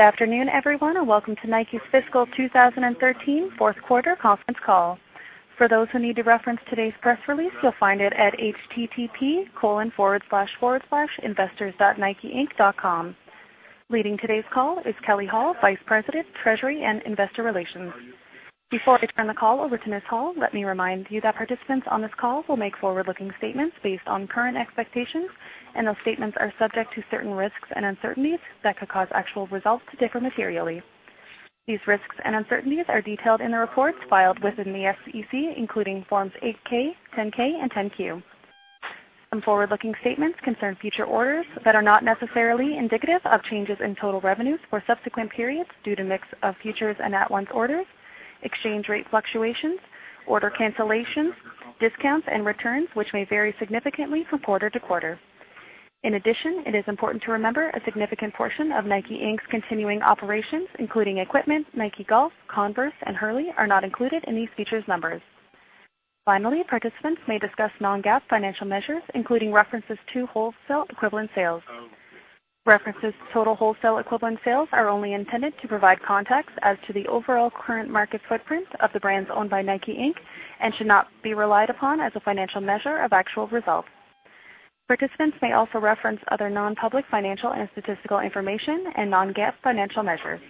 Good afternoon, everyone, and welcome to Nike's fiscal 2013 fourth quarter conference call. For those who need to reference today's press release, you'll find it at http://investors.nikeinc.com. Leading today's call is Kelley Hall, Vice President, Treasury and Investor Relations. Before I turn the call over to Ms. Hall, let me remind you that participants on this call will make forward-looking statements based on current expectations, and those statements are subject to certain risks and uncertainties that could cause actual results to differ materially. These risks and uncertainties are detailed in the reports filed with the SEC, including Forms 8-K, 10-K, and 10-Q. Some forward-looking statements concern future orders that are not necessarily indicative of changes in total revenues for subsequent periods due to mix of futures and at-once orders, exchange rate fluctuations, order cancellations, discounts, and returns, which may vary significantly from quarter to quarter. In addition, it is important to remember a significant portion of Nike, Inc.'s continuing operations, including equipment, Nike Golf, Converse, and Hurley, are not included in these futures numbers. Finally, participants may discuss non-GAAP financial measures, including references to wholesale equivalent sales. References to total wholesale equivalent sales are only intended to provide context as to the overall current market footprint of the brands owned by Nike, Inc. and should not be relied upon as a financial measure of actual results. Participants may also reference other non-public financial and statistical information and non-GAAP financial measures.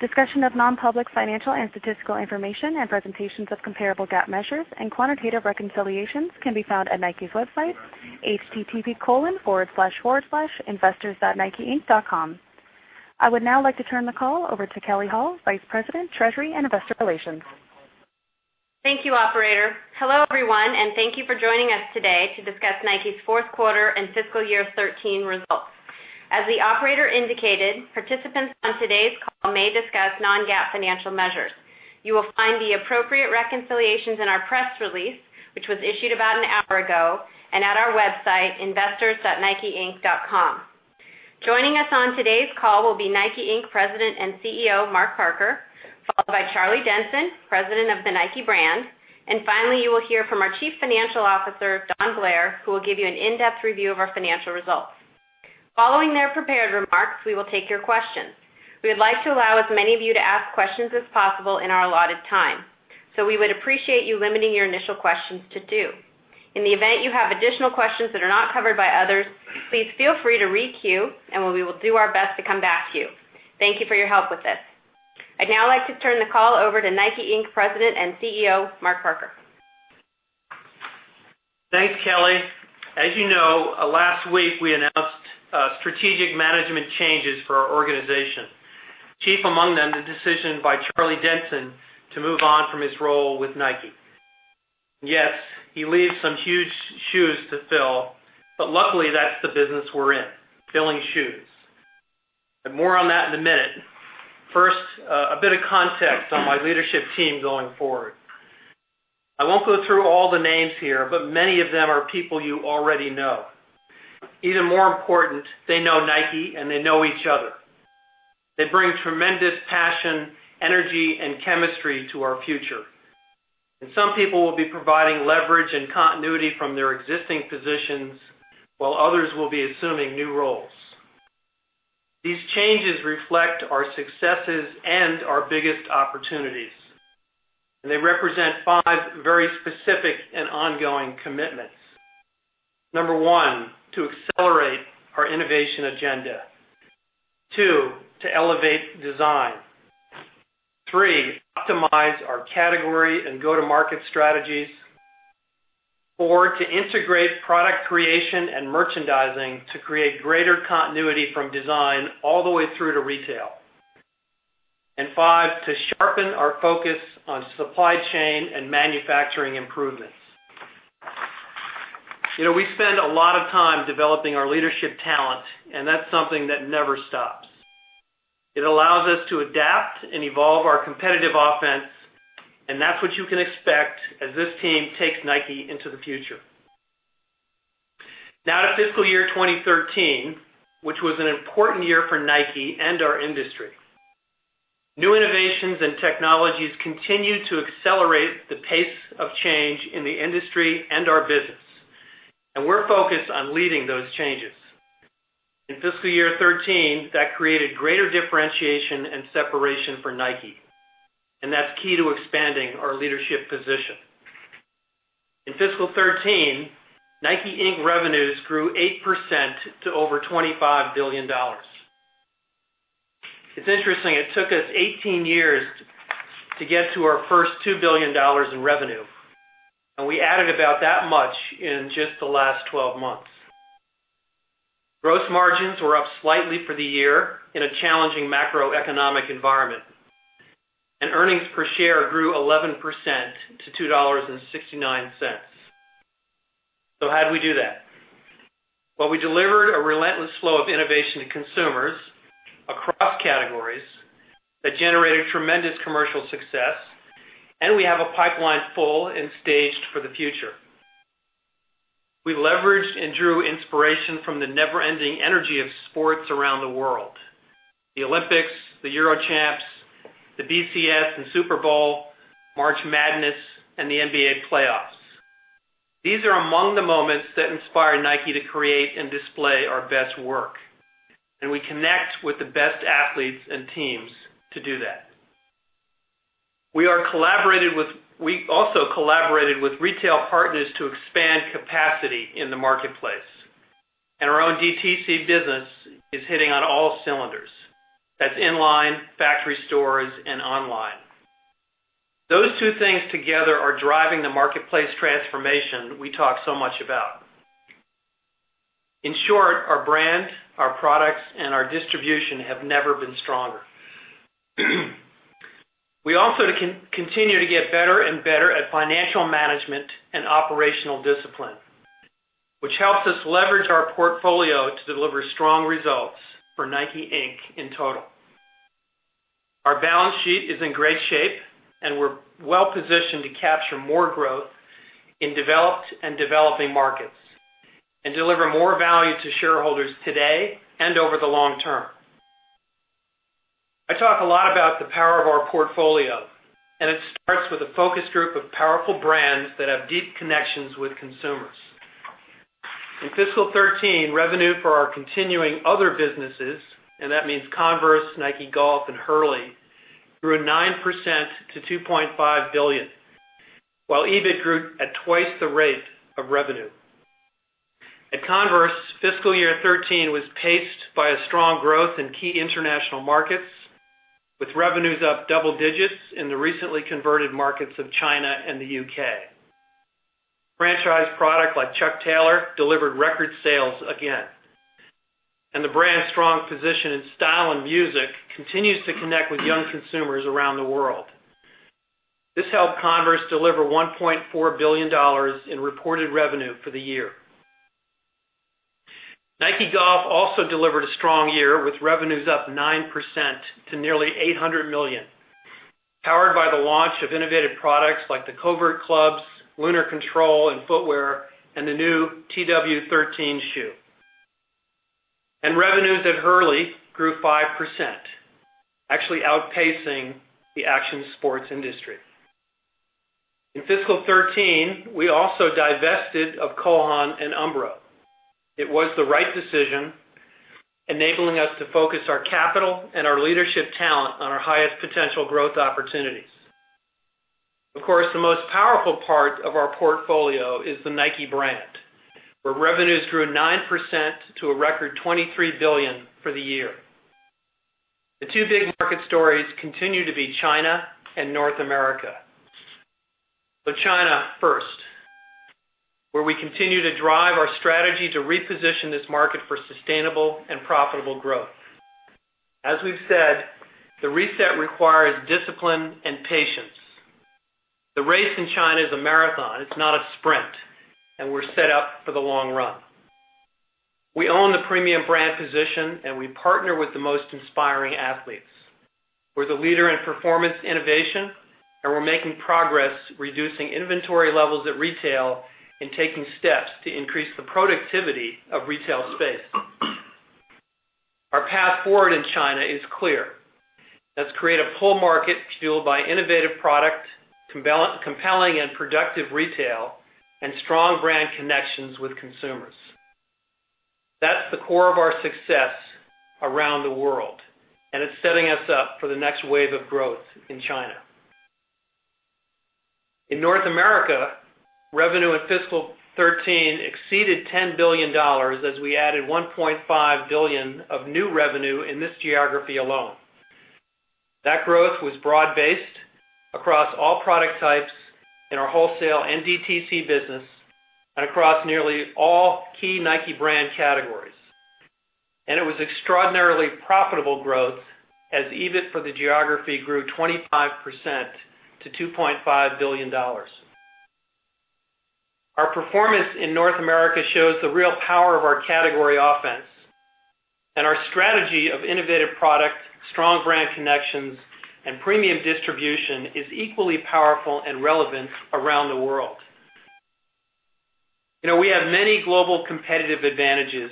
Discussion of non-public financial and statistical information and presentations of comparable GAAP measures and quantitative reconciliations can be found at Nike's website, http://investors.nikeinc.com. I would now like to turn the call over to Kelley Hall, Vice President, Treasury and Investor Relations. Thank you, operator. Hello, everyone, and thank you for joining us today to discuss Nike's fourth quarter and fiscal year 2013 results. As the operator indicated, participants on today's call may discuss non-GAAP financial measures. You will find the appropriate reconciliations in our press release, which was issued about an hour ago, and at our website, investors.nikeinc.com. Joining us on today's call will be Nike, Inc. President and CEO, Mark Parker, followed by Charlie Denson, President of the Nike brand. Finally, you will hear from our Chief Financial Officer, Don Blair, who will give you an in-depth review of our financial results. Following their prepared remarks, we will take your questions. We would like to allow as many of you to ask questions as possible in our allotted time. We would appreciate you limiting your initial questions to two. In the event you have additional questions that are not covered by others, please feel free to re-queue, and we will do our best to come back to you. Thank you for your help with this. I'd now like to turn the call over to Nike, Inc. President and CEO, Mark Parker. Thanks, Kelley. As you know, last week we announced strategic management changes for our organization. Chief among them, the decision by Charlie Denson to move on from his role with Nike. Yes, he leaves some huge shoes to fill, but luckily, that's the business we're in, filling shoes. More on that in a minute. First, a bit of context on my leadership team going forward. I won't go through all the names here, but many of them are people you already know. Even more important, they know Nike, and they know each other. They bring tremendous passion, energy, and chemistry to our future. Some people will be providing leverage and continuity from their existing positions, while others will be assuming new roles. These changes reflect our successes and our biggest opportunities. They represent five very specific and ongoing commitments. Number one, to accelerate our innovation agenda. Two, to elevate design. Three, optimize our category and go-to-market strategies. Four, to integrate product creation and merchandising to create greater continuity from design all the way through to retail. Five, to sharpen our focus on supply chain and manufacturing improvements. We spend a lot of time developing our leadership talent, and that's something that never stops. It allows us to adapt and evolve our competitive offense, and that's what you can expect as this team takes Nike into the future. Now to fiscal year 2013, which was an important year for Nike and our industry. New innovations and technologies continue to accelerate the pace of change in the industry and our business. We're focused on leading those changes. In fiscal year 2013, that created greater differentiation and separation for Nike, and that's key to expanding our leadership position. In fiscal 2013, Nike, Inc. revenues grew 8% to over $25 billion. It's interesting, it took us 18 years to get to our first $2 billion in revenue, and we added about that much in just the last 12 months. Gross margins were up slightly for the year in a challenging macroeconomic environment, and earnings per share grew 11% to $2.69. How'd we do that? Well, we delivered a relentless flow of innovation to consumers across categories that generated tremendous commercial success, and we have a pipeline full and staged for the future. We leveraged and drew inspiration from the never-ending energy of sports around the world, the Olympics, the Euro Champs, the BCS and Super Bowl, March Madness, and the NBA playoffs. These are among the moments that inspire Nike to create and display our best work, and we connect with the best athletes and teams to do that. We also collaborated with retail partners to expand capacity in the marketplace, and our own DTC business is hitting on all cylinders. That's in-line, factory stores, and online. Those two things together are driving the marketplace transformation we talk so much about. In short, our brand, our products, and our distribution have never been stronger. We also continue to get better and better at financial management and operational discipline, which helps us leverage our portfolio to deliver strong results for Nike, Inc. in total. Our balance sheet is in great shape, and we're well positioned to capture more growth in developed and developing markets and deliver more value to shareholders today and over the long term. I talk a lot about the power of our portfolio, and it starts with a focus group of powerful brands that have deep connections with consumers. In FY 2013, revenue for our continuing other businesses, and that means Converse, Nike Golf, and Hurley, grew 9% to $2.5 billion, while EBIT grew at twice the rate of revenue. At Converse, FY 2013 was paced by a strong growth in key international markets, with revenues up double digits in the recently converted markets of China and the U.K. Franchise product like Chuck Taylor delivered record sales again, and the brand's strong position in style and music continues to connect with young consumers around the world. This helped Converse deliver $1.4 billion in reported revenue for the year. Nike Golf also delivered a strong year, with revenues up 9% to nearly $800 million, powered by the launch of innovative products like the Covert clubs, Lunar Control, and footwear, and the new TW '13 shoe. Revenues at Hurley grew 5%, actually outpacing the action sports industry. In FY 2013, we also divested of Cole Haan and Umbro. It was the right decision, enabling us to focus our capital and our leadership talent on our highest potential growth opportunities. Of course, the most powerful part of our portfolio is the Nike Brand, where revenues grew 9% to a record $23 billion for the year. The two big market stories continue to be China and North America. China first, where we continue to drive our strategy to reposition this market for sustainable and profitable growth. As we've said, the reset requires discipline and patience. The race in China is a marathon, it's not a sprint, and we're set up for the long run. We own the premium brand position, and we partner with the most inspiring athletes. We're the leader in performance innovation, and we're making progress reducing inventory levels at retail and taking steps to increase the productivity of retail space. Our path forward in China is clear. Let's create a pull market fueled by innovative product, compelling and productive retail, and strong brand connections with consumers. That's the core of our success around the world, and it's setting us up for the next wave of growth in China. In North America, revenue in FY 2013 exceeded $10 billion as we added $1.5 billion of new revenue in this geography alone. That growth was broad-based across all product types in our wholesale and DTC business and across nearly all key Nike Brand categories. It was extraordinarily profitable growth as EBIT for the geography grew 25% to $2.5 billion. Our performance in North America shows the real power of our category offense, and our strategy of innovative product, strong brand connections, and premium distribution is equally powerful and relevant around the world. We have many global competitive advantages,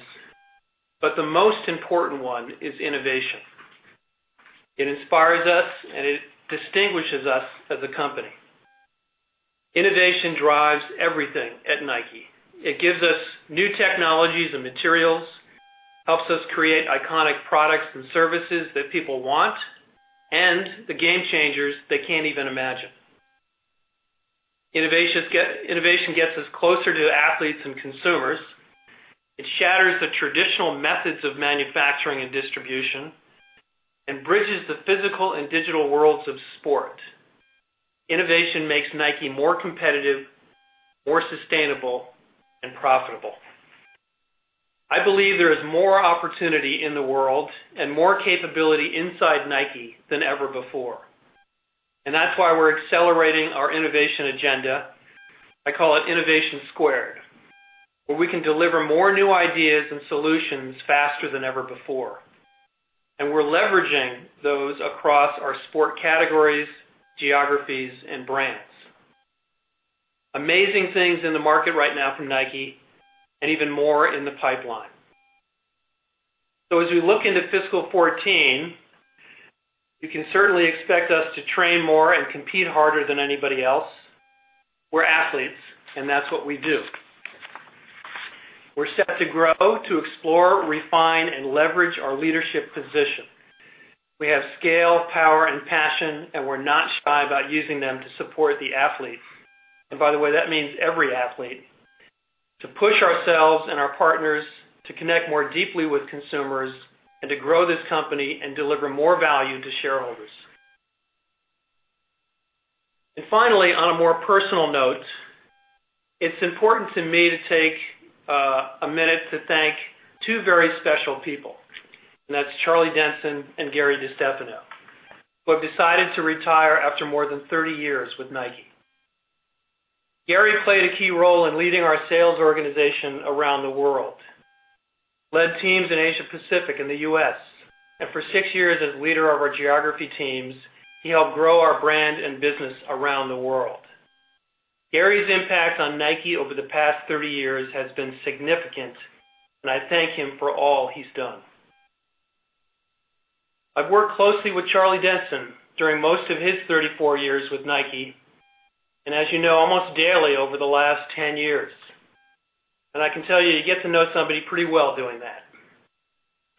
but the most important one is innovation. It inspires us, and it distinguishes us as a company. Innovation drives everything at Nike. It gives us new technologies and materials, helps us create iconic products and services that people want, and the game changers they can't even imagine. Innovation gets us closer to athletes and consumers, it shatters the traditional methods of manufacturing and distribution, and bridges the physical and digital worlds of sport. Innovation makes Nike more competitive, more sustainable, and profitable. I believe there is more opportunity in the world and more capability inside Nike than ever before. That's why we're accelerating our innovation agenda. I call it innovation squared, where we can deliver more new ideas and solutions faster than ever before. We're leveraging those across our sport categories, geographies, and brands. Amazing things in the market right now from Nike and even more in the pipeline. As we look into fiscal 2014, you can certainly expect us to train more and compete harder than anybody else. We're athletes, and that's what we do. We're set to grow, to explore, refine, and leverage our leadership position. We have scale, power, and passion, and we're not shy about using them to support the athlete. By the way, that means every athlete. To push ourselves and our partners to connect more deeply with consumers and to grow this company and deliver more value to shareholders. Finally, on a more personal note, it's important to me to take a minute to thank two very special people, and that's Charlie Denson and Gary DeStefano, who have decided to retire after more than 30 years with Nike. Gary played a key role in leading our sales organization around the world, led teams in Asia Pacific and the U.S. For six years as leader of our geography teams, he helped grow our brand and business around the world. Gary's impact on Nike over the past 30 years has been significant, and I thank him for all he's done. I've worked closely with Charlie Denson during most of his 34 years with Nike, and as you know, almost daily over the last 10 years. I can tell you get to know somebody pretty well doing that.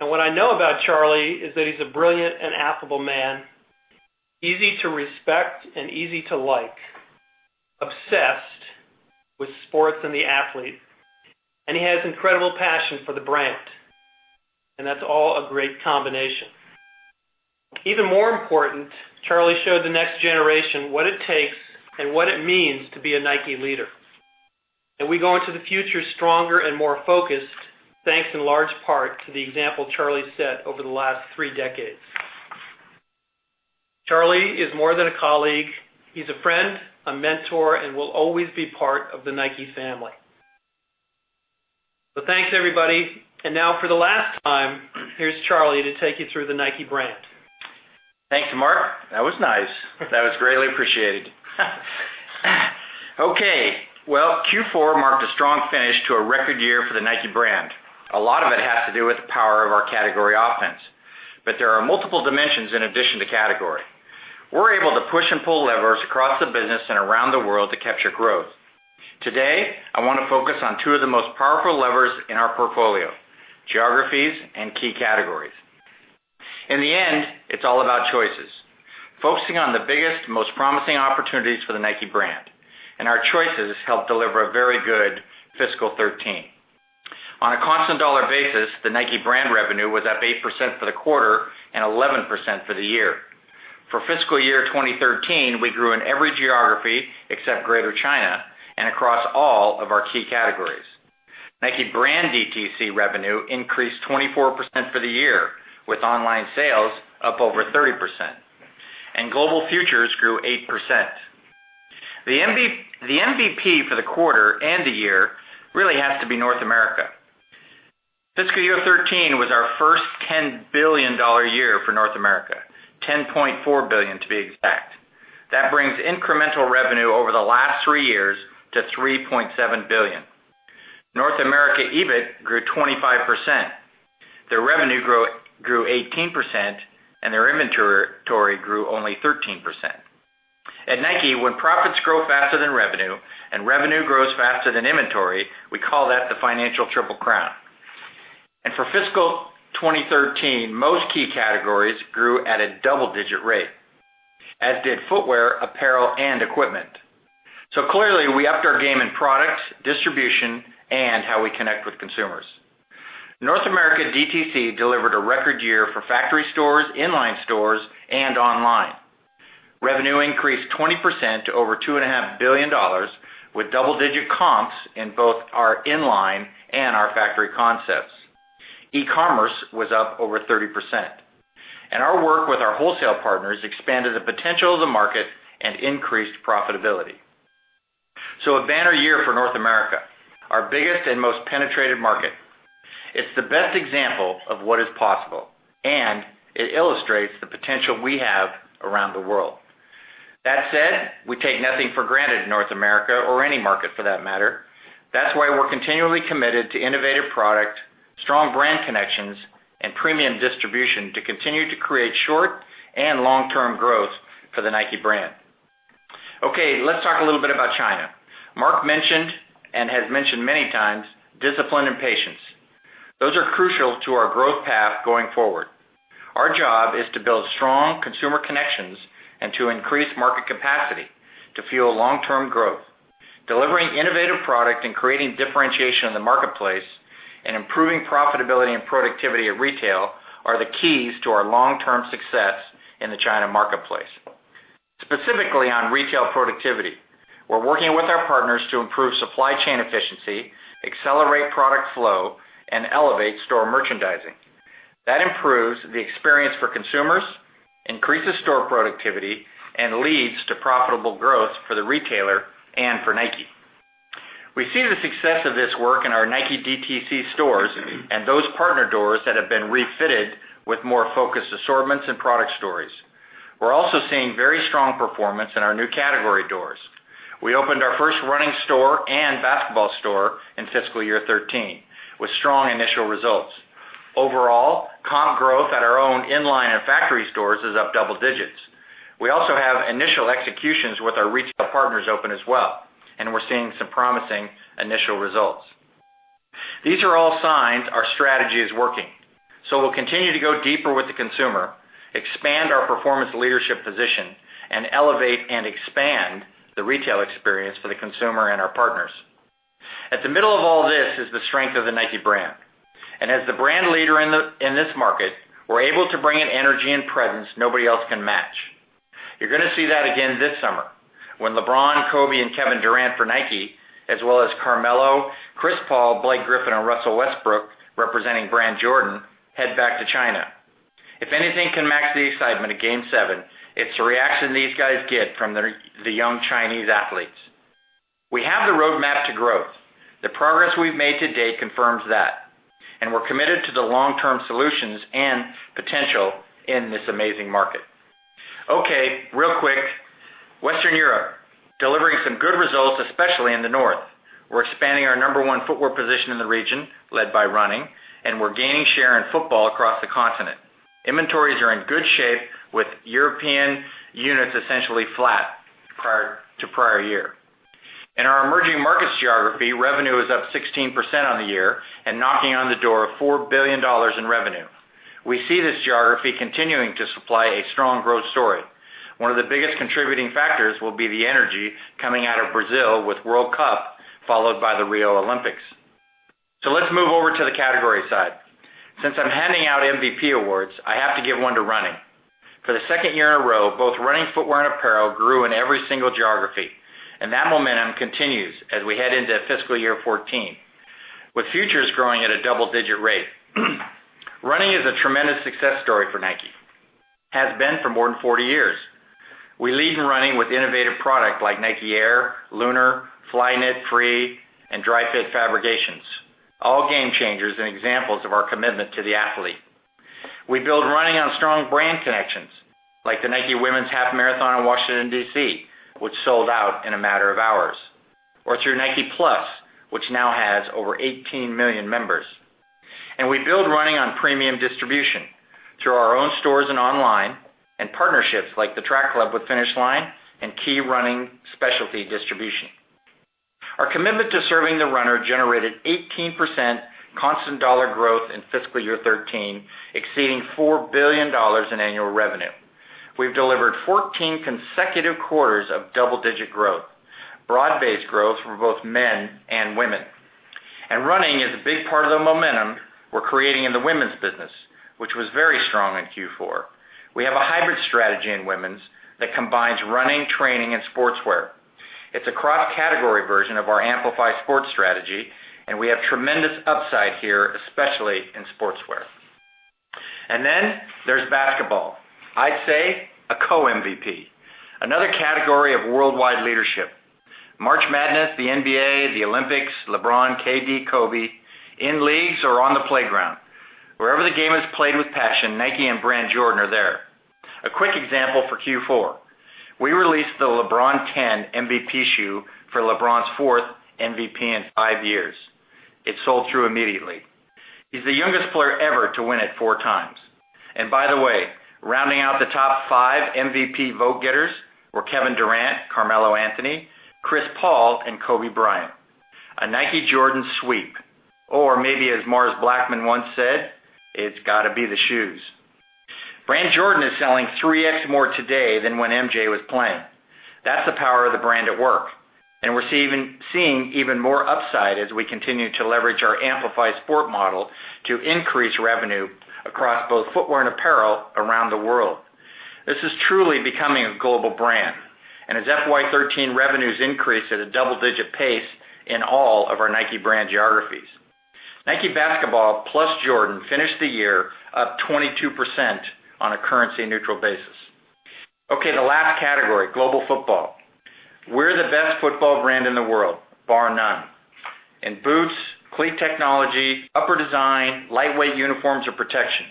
What I know about Charlie is that he's a brilliant and affable man, easy to respect and easy to like. Obsessed with sports and the athlete, and he has incredible passion for the brand, and that's all a great combination. Even more important, Charlie showed the next generation what it takes and what it means to be a Nike leader. We go into the future stronger and more focused, thanks in large part to the example Charlie set over the last three decades. Charlie is more than a colleague. He's a friend, a mentor, and will always be part of the Nike family. Thanks, everybody. Now for the last time, here's Charlie to take you through the Nike brand. Thanks, Mark. That was nice. That was greatly appreciated. Well, Q4 marked a strong finish to a record year for the Nike brand. A lot of it has to do with the power of our category offense, but there are multiple dimensions in addition to category. We're able to push and pull levers across the business and around the world to capture growth. Today, I want to focus on two of the most powerful levers in our portfolio, geographies and key categories. In the end, it's all about choices, focusing on the biggest, most promising opportunities for the Nike brand. Our choices help deliver a very good fiscal 2013. On a constant dollar basis, the Nike brand revenue was up 8% for the quarter and 11% for the year. For fiscal year 2013, we grew in every geography except Greater China and across all of our key categories. Nike brand DTC revenue increased 24% for the year, with online sales up over 30%. Global futures grew 8%. The MVP for the quarter and the year really has to be North America. Fiscal year 2013 was our first $10 billion year for North America, $10.4 billion to be exact. That brings incremental revenue over the last three years to $3.7 billion. North America EBIT grew 25%. Their revenue grew 18%, and their inventory grew only 13%. At Nike, when profits grow faster than revenue and revenue grows faster than inventory, we call that the financial triple crown. For fiscal 2013, most key categories grew at a double-digit rate, as did footwear, apparel, and equipment. Clearly, we upped our game in products, distribution, and how we connect with consumers. North America DTC delivered a record year for factory stores, in-line stores, and online. Revenue increased 20% to over $2.5 billion, with double-digit comps in both our in-line and our factory concepts. E-commerce was up over 30%. Our work with our wholesale partners expanded the potential of the market and increased profitability. A banner year for North America, our biggest and most penetrated market. It's the best example of what is possible, and it illustrates the potential we have around the world. That said, we take nothing for granted in North America or any market for that matter. That's why we're continually committed to innovative product, strong brand connections, and premium distribution to continue to create short- and long-term growth for the Nike brand. Okay, let's talk a little bit about China. Mark mentioned, and has mentioned many times, discipline and patience. Those are crucial to our growth path going forward. Our job is to build strong consumer connections and to increase market capacity to fuel long-term growth. Delivering innovative product and creating differentiation in the marketplace and improving profitability and productivity at retail are the keys to our long-term success in the China marketplace. Specifically on retail productivity, we're working with our partners to improve supply chain efficiency, accelerate product flow, and elevate store merchandising. That improves the experience for consumers, increases store productivity, and leads to profitable growth for the retailer and for Nike. We see the success of this work in our Nike DTC stores and those partner doors that have been refitted with more focused assortments and product stories. We're also seeing very strong performance in our new category doors. We opened our first running store and basketball store in fiscal year 2013, with strong initial results. Overall, comp growth at our own in-line and factory stores is up double digits. We also have initial executions with our retail partners open as well, and we're seeing some promising initial results. These are all signs our strategy is working. We'll continue to go deeper with the consumer, expand our performance leadership position, and elevate and expand the retail experience for the consumer and our partners. At the middle of all this is the strength of the Nike brand. As the brand leader in this market, we're able to bring an energy and presence nobody else can match. You're going to see that again this summer when LeBron, Kobe, and Kevin Durant for Nike, as well as Carmelo, Chris Paul, Blake Griffin, and Russell Westbrook, representing Jordan Brand, head back to China. If anything can match the excitement of Game Seven, it's the reaction these guys get from the young Chinese athletes. We have the roadmap to growth. The progress we've made to date confirms that, and we're committed to the long-term solutions and potential in this amazing market. Okay, real quick, Western Europe, delivering some good results, especially in the north. We're expanding our number 1 footwear position in the region, led by running, and we're gaining share in football across the continent. Inventories are in good shape with European units essentially flat to prior year. In our emerging markets geography, revenue is up 16% on the year and knocking on the door of $4 billion in revenue. We see this geography continuing to supply a strong growth story. One of the biggest contributing factors will be the energy coming out of Brazil with World Cup, followed by the Rio Olympics. Let's move over to the category side. Since I'm handing out MVP awards, I have to give one to running. For the second year in a row, both running footwear and apparel grew in every single geography, and that momentum continues as we head into fiscal year 14, with futures growing at a double-digit rate. Running is a tremendous success story for Nike. Has been for more than 40 years. We lead in running with innovative product like Nike Air, Lunar, Flyknit, Free, and Dri-FIT fabrications, all game changers and examples of our commitment to the athlete. We build running on strong brand connections like the Nike Women's Half Marathon in Washington, D.C., which sold out in a matter of hours, or through NikePlus, which now has over 18 million members. We build running on premium distribution through our own stores and online and partnerships like the Nike Track Club with Finish Line and key running specialty distribution. Our commitment to serving the runner generated 18% constant dollar growth in fiscal year 13, exceeding $4 billion in annual revenue. We've delivered 14 consecutive quarters of double-digit growth. Broad-based growth from both men and women. Running is a big part of the momentum we're creating in the women's business, which was very strong in Q4. We have a hybrid strategy in women's that combines running, training, and sportswear. It's a cross-category version of our Amplify Sport strategy, and we have tremendous upside here, especially in sportswear. Then there's basketball. I'd say a co-MVP. Another category of worldwide leadership. March Madness, the NBA, the Olympics, LeBron, KD, Kobe. In leagues or on the playground. Wherever the game is played with passion, Nike and Jordan Brand are there. A quick example for Q4. We released the LeBron 10 MVP shoe for LeBron's fourth MVP in five years. It sold through immediately. He's the youngest player ever to win it four times. By the way, rounding out the top five MVP vote getters were Kevin Durant, Carmelo Anthony, Chris Paul, and Kobe Bryant. A Nike Jordan sweep. Or maybe as Mars Blackmon once said, "It's got to be the shoes." Jordan Brand is selling 3x more today than when MJ was playing. That's the power of the brand at work, and we're seeing even more upside as we continue to leverage our Amplify Sport model to increase revenue across both footwear and apparel around the world. This is truly becoming a global brand. As FY 2013 revenues increase at a double-digit pace in all of our Nike Brand geographies, Nike Basketball plus Jordan finished the year up 22% on a currency-neutral basis. The last category, global football. We're the best football brand in the world, bar none. In boots, cleat technology, upper design, lightweight uniforms, or protection.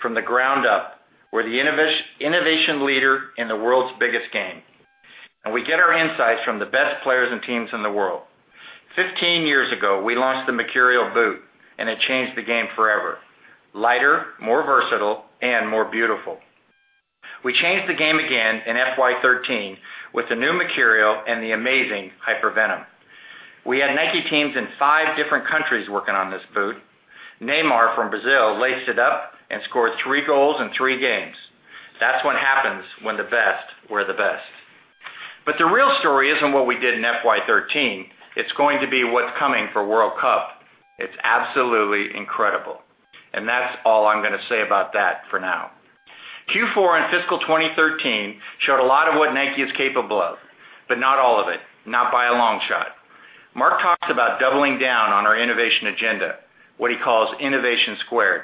From the ground up, we're the innovation leader in the world's biggest game. We get our insights from the best players and teams in the world. 15 years ago, we launched the Mercurial boot, and it changed the game forever. Lighter, more versatile, and more beautiful. We changed the game again in FY 2013 with the new Mercurial and the amazing Hypervenom. We had Nike teams in five different countries working on this boot. Neymar from Brazil laced it up and scored three goals in three games. That's what happens when the best wear the best. The real story isn't what we did in FY 2013. It's going to be what's coming for World Cup. It's absolutely incredible. That's all I'm going to say about that for now. Q4 and fiscal 2013 showed a lot of what Nike is capable of, but not all of it, not by a long shot. Mark talks about doubling what he calls innovation squared.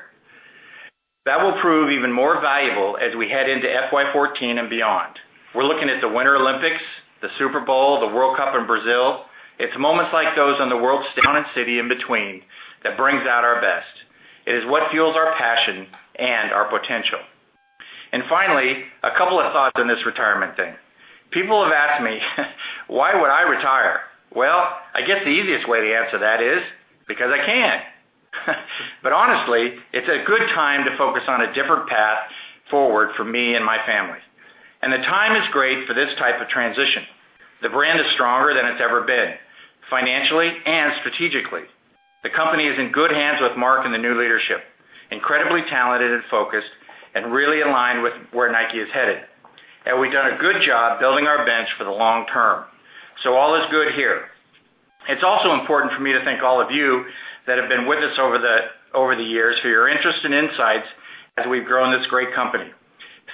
That will prove even more valuable as we head into FY 2014 and beyond. We're looking at the Winter Olympics, the Super Bowl, the World Cup in Brazil. It's moments like those on the world's city in between that brings out our best. It is what fuels our passion and our potential. Finally, a couple of thoughts on this retirement thing. People have asked me, why would I retire? I guess the easiest way to answer that is because I can. Honestly, it's a good time to focus on a different path forward for me and my family. The time is great for this type of transition. The brand is stronger than it's ever been, financially and strategically. The company is in good hands with Mark and the new leadership. Incredibly talented and focused and really aligned with where Nike is headed. We've done a good job building our bench for the long term. All is good here. It's also important for me to thank all of you that have been with us over the years for your interest and insights as we've grown this great company.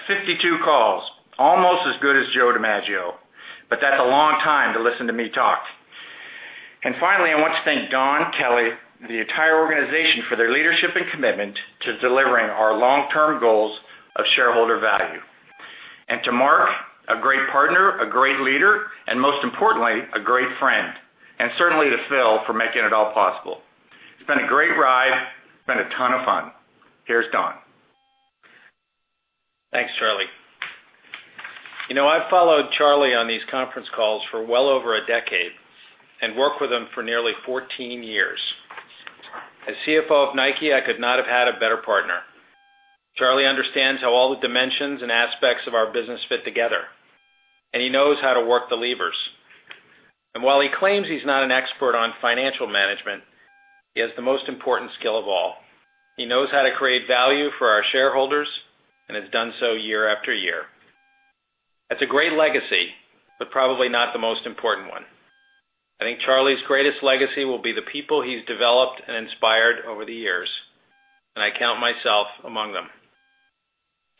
52 calls, almost as good as Joe DiMaggio, but that's a long time to listen to me talk. Finally, I want to thank Don Blair and the entire organization for their leadership and commitment to delivering our long-term goals of shareholder value. To Mark, a great partner, a great leader, and most importantly, a great friend. Certainly to Phil for making it all possible. It's been a great ride. It's been a ton of fun. Here's Don. Thanks, Charlie. I've followed Charlie on these conference calls for well over a decade and worked with him for nearly 14 years. As CFO of Nike, I could not have had a better partner. Charlie understands how all the dimensions and aspects of our business fit together, and he knows how to work the levers. While he claims he's not an expert on financial management, he has the most important skill of all. He knows how to create value for our shareholders and has done so year after year. That's a great legacy, but probably not the most important one. I think Charlie's greatest legacy will be the people he's developed and inspired over the years, and I count myself among them.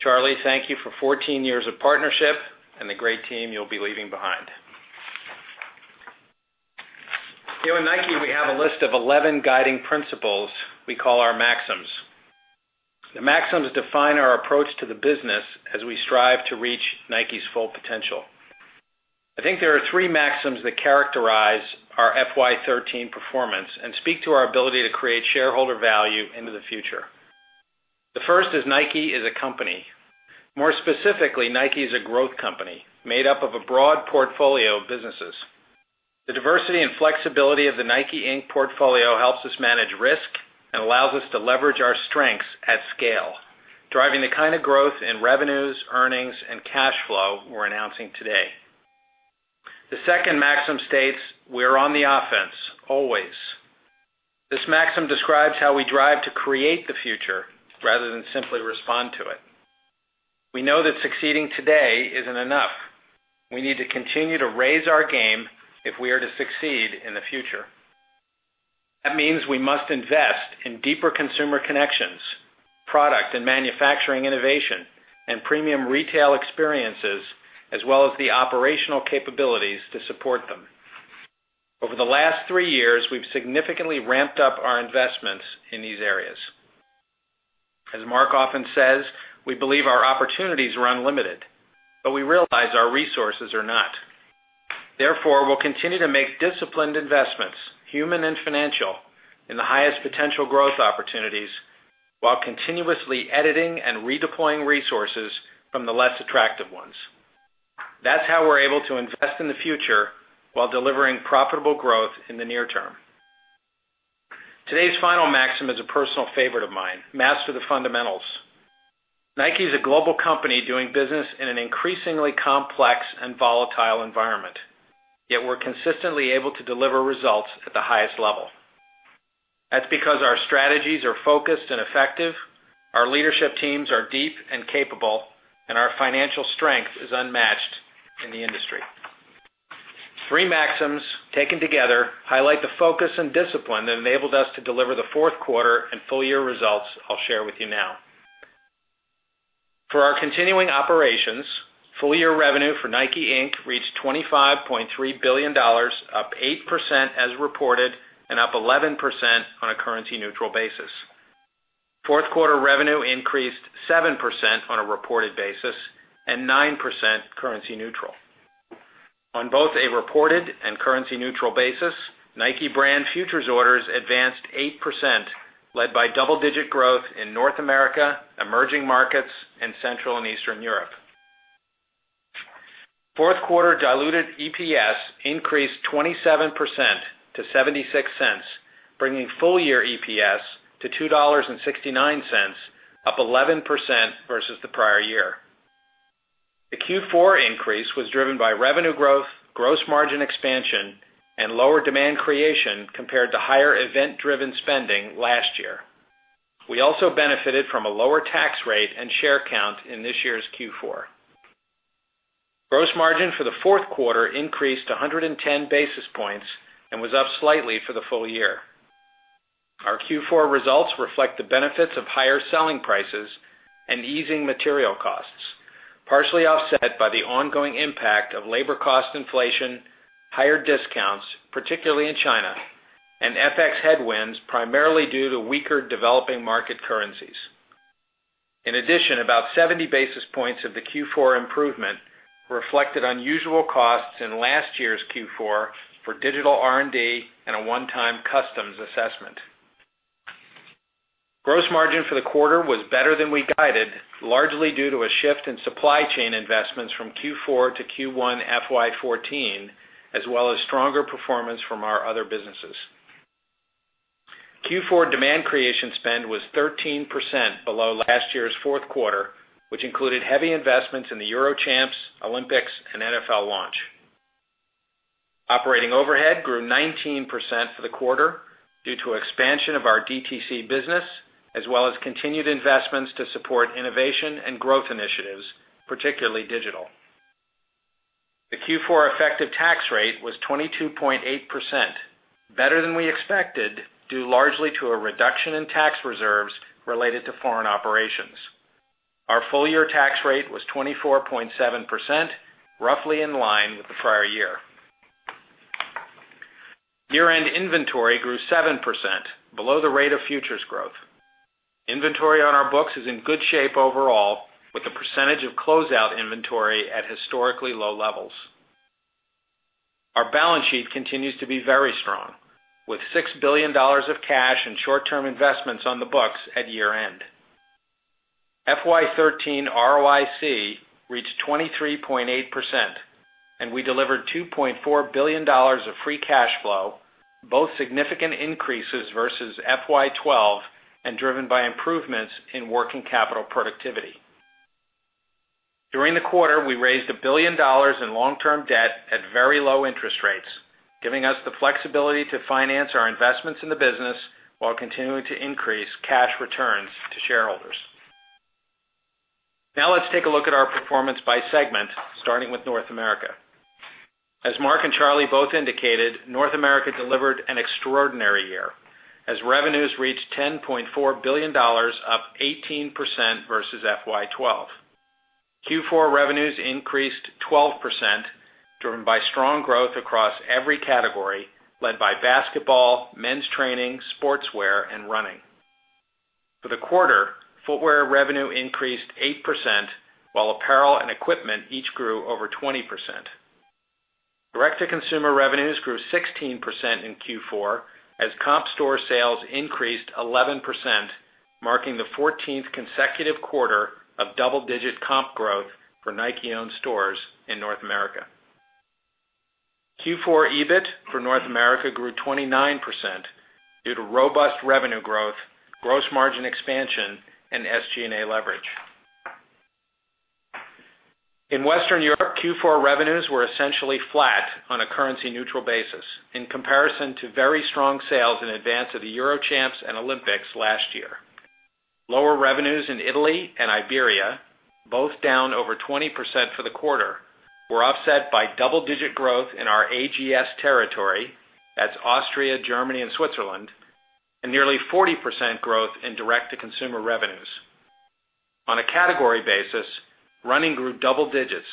Charlie, thank you for 14 years of partnership and the great team you'll be leaving behind. Here at Nike, we have a list of 11 guiding principles we call our maxims. The maxims define our approach to the business as we strive to reach Nike's full potential. I think there are three maxims that characterize our FY 2013 performance and speak to our ability to create shareholder value into the future. The first is Nike is a company. More specifically, Nike is a growth company made up of a broad portfolio of businesses. The diversity and flexibility of the Nike, Inc. portfolio helps us manage risk and allows us to leverage our strengths at scale, driving the kind of growth in revenues, earnings, and cash flow we're announcing today. The second maxim states we're on the offense, always. This maxim describes how we drive to create the future rather than simply respond to it. We know that succeeding today isn't enough. We need to continue to raise our game if we are to succeed in the future. That means we must invest in deeper consumer connections, product and manufacturing innovation, and premium retail experiences, as well as the operational capabilities to support them. Over the last three years, we've significantly ramped up our investments in these areas. As Mark often says, we believe our opportunities are unlimited, but we realize our resources are not. Therefore, we'll continue to make disciplined investments, human and financial, in the highest potential growth opportunities while continuously editing and redeploying resources from the less attractive ones. That's how we're able to invest in the future while delivering profitable growth in the near term. Today's final maxim is a personal favorite of mine, master the fundamentals. Nike is a global company doing business in an increasingly complex and volatile environment. Yet we're consistently able to deliver results at the highest level. That's because our strategies are focused and effective, our leadership teams are deep and capable, and our financial strength is unmatched in the industry. Three maxims taken together highlight the focus and discipline that enabled us to deliver the fourth quarter and full year results I'll share with you now. For our continuing operations, full year revenue for Nike, Inc. reached $25.3 billion, up 8% as reported and up 11% on a currency neutral basis. Fourth quarter revenue increased 7% on a reported basis and 9% currency neutral. On both a reported and currency neutral basis, Nike brand futures orders advanced 8%, led by double digit growth in North America, emerging markets, and Central and Eastern Europe. Fourth quarter diluted EPS increased 27% to $0.76, bringing full year EPS to $2.69, up 11% versus the prior year. The Q4 increase was driven by revenue growth, gross margin expansion, and lower demand creation compared to higher event-driven spending last year. We also benefited from a lower tax rate and share count in this year's Q4. Gross margin for the fourth quarter increased 110 basis points and was up slightly for the full year. Our Q4 results reflect the benefits of higher selling prices and easing material costs. Partially offset by the ongoing impact of labor cost inflation, higher discounts, particularly in China, and FX headwinds, primarily due to weaker developing market currencies. In addition, about 70 basis points of the Q4 improvement reflected unusual costs in last year's Q4 for digital R&D and a one-time customs assessment. Gross margin for the quarter was better than we guided, largely due to a shift in supply chain investments from Q4 to Q1 FY 2014, as well as stronger performance from our other businesses. Q4 demand creation spend was 13% below last year's fourth quarter, which included heavy investments in the Euro Champs, Olympics, and NFL launch. Operating overhead grew 19% for the quarter due to expansion of our DTC business, as well as continued investments to support innovation and growth initiatives, particularly digital. The Q4 effective tax rate was 22.8%, better than we expected, due largely to a reduction in tax reserves related to foreign operations. Our full-year tax rate was 24.7%, roughly in line with the prior year. Year-end inventory grew 7%, below the rate of futures growth. Inventory on our books is in good shape overall, with a percentage of closeout inventory at historically low levels. Our balance sheet continues to be very strong, with $6 billion of cash and short-term investments on the books at year-end. FY 2013 ROIC reached 23.8%, and we delivered $2.4 billion of free cash flow, both significant increases versus FY 2012, and driven by improvements in working capital productivity. During the quarter, we raised $1 billion in long-term debt at very low interest rates, giving us the flexibility to finance our investments in the business while continuing to increase cash returns to shareholders. Let's take a look at our performance by segment, starting with North America. As Mark and Charlie both indicated, North America delivered an extraordinary year as revenues reached $10.4 billion, up 18% versus FY 2012. Q4 revenues increased 12%, driven by strong growth across every category, led by basketball, men's training, sportswear, and running. For the quarter, footwear revenue increased 8%, while apparel and equipment each grew over 20%. Direct-to-consumer revenues grew 16% in Q4, as comp store sales increased 11%, marking the 14th consecutive quarter of double-digit comp growth for Nike-owned stores in North America. Q4 EBIT for North America grew 29% due to robust revenue growth, gross margin expansion, and SG&A leverage. In Western Europe, Q4 revenues were essentially flat on a currency-neutral basis in comparison to very strong sales in advance of the Euro Champs and Olympics last year. Lower revenues in Italy and Iberia, both down over 20% for the quarter, were offset by double-digit growth in our AGS territory, that's Austria, Germany, and Switzerland, and nearly 40% growth in direct-to-consumer revenues. On a category basis, running grew double digits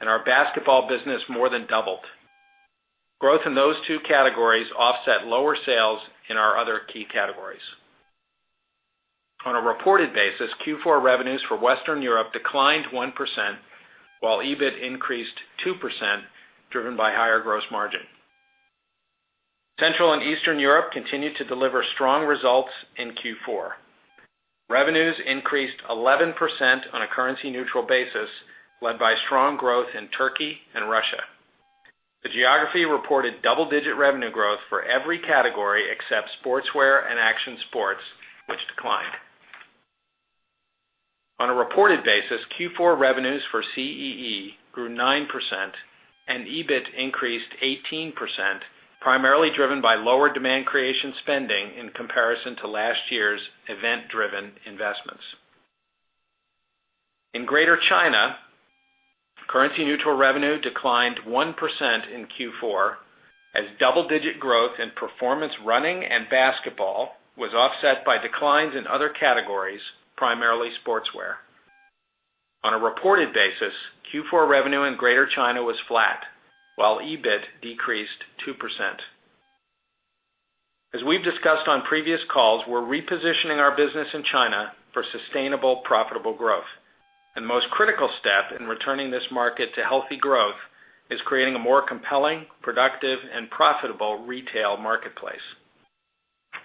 and our basketball business more than doubled. Growth in those two categories offset lower sales in our other key categories. On a reported basis, Q4 revenues for Western Europe declined 1%, while EBIT increased 2%, driven by higher gross margin. Central and Eastern Europe continued to deliver strong results in Q4. Revenues increased 11% on a currency-neutral basis, led by strong growth in Turkey and Russia. The geography reported double-digit revenue growth for every category except sportswear and action sports, which declined. On a reported basis, Q4 revenues for CEE grew 9% and EBIT increased 18%, primarily driven by lower demand creation spending in comparison to last year's event-driven investments. In Greater China, currency neutral revenue declined 1% in Q4 as double-digit growth in performance running and basketball was offset by declines in other categories, primarily sportswear. On a reported basis, Q4 revenue in Greater China was flat, while EBIT decreased 2%. As we've discussed on previous calls, we're repositioning our business in China for sustainable, profitable growth. The most critical step in returning this market to healthy growth is creating a more compelling, productive, and profitable retail marketplace.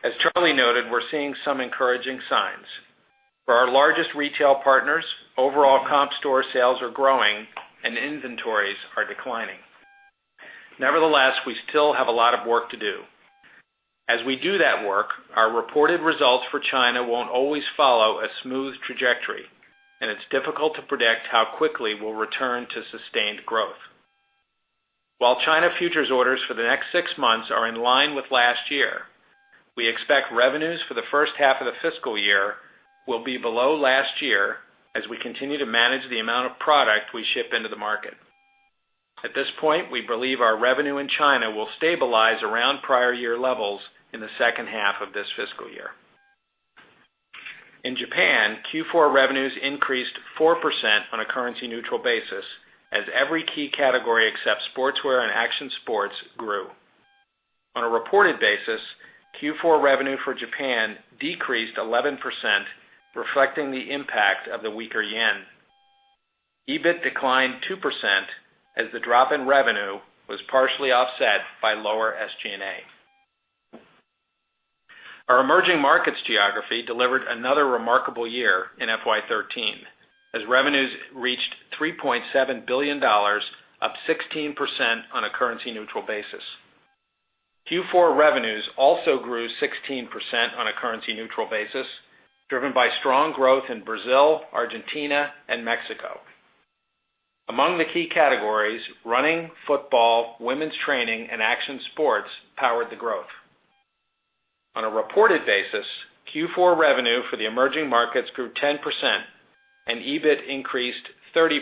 As Charlie noted, we're seeing some encouraging signs. For our largest retail partners, overall comp store sales are growing and inventories are declining. Nevertheless, we still have a lot of work to do. As we do that work, our reported results for China won't always follow a smooth trajectory, and it's difficult to predict how quickly we'll return to sustained growth. While China futures orders for the next six months are in line with last year, we expect revenues for the first half of the fiscal year will be below last year as we continue to manage the amount of product we ship into the market. At this point, we believe our revenue in China will stabilize around prior year levels in the second half of this fiscal year. In Japan, Q4 revenues increased 4% on a currency neutral basis as every key category except sportswear and action sports grew. On a reported basis, Q4 revenue for Japan decreased 11%, reflecting the impact of the weaker yen. EBIT declined 2% as the drop in revenue was partially offset by lower SG&A. Our emerging markets geography delivered another remarkable year in FY 2013, as revenues reached $3.7 billion, up 16% on a currency neutral basis. Q4 revenues also grew 16% on a currency neutral basis, driven by strong growth in Brazil, Argentina, and Mexico. Among the key categories, running, football, women's training, and action sports powered the growth. On a reported basis, Q4 revenue for the emerging markets grew 10% and EBIT increased 30%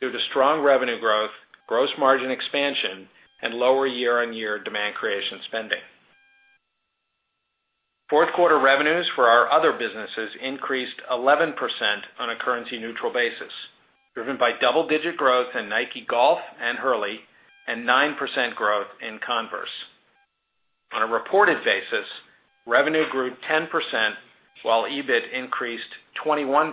due to strong revenue growth, gross margin expansion, and lower year-on-year demand creation spending. Fourth quarter revenues for our other businesses increased 11% on a currency neutral basis, driven by double-digit growth in Nike Golf and Hurley and 9% growth in Converse. On a reported basis, revenue grew 10%, while EBIT increased 21%,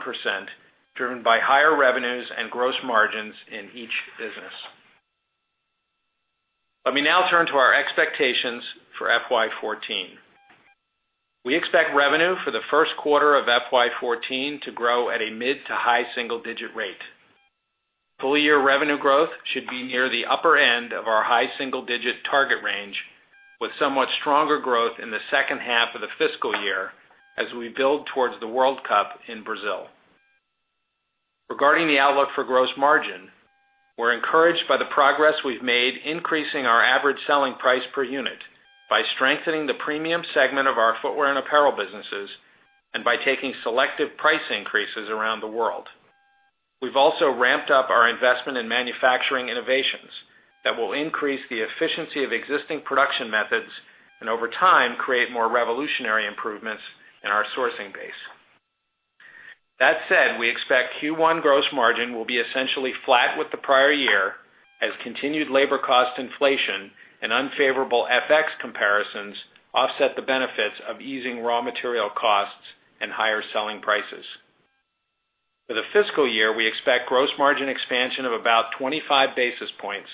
driven by higher revenues and gross margins in each business. Let me now turn to our expectations for FY 2014. We expect revenue for the first quarter of FY 2014 to grow at a mid to high single digit rate. Full year revenue growth should be near the upper end of our high single digit target range, with somewhat stronger growth in the second half of the fiscal year as we build towards the World Cup in Brazil. Regarding the outlook for gross margin, we're encouraged by the progress we've made increasing our average selling price per unit by strengthening the premium segment of our footwear and apparel businesses and by taking selective price increases around the world. We've also ramped up our investment in manufacturing innovations that will increase the efficiency of existing production methods and over time, create more revolutionary improvements in our sourcing base. That said, we expect Q1 gross margin will be essentially flat with the prior year as continued labor cost inflation and unfavorable FX comparisons offset the benefits of easing raw material costs and higher selling prices. For the fiscal year, we expect gross margin expansion of about 25 basis points,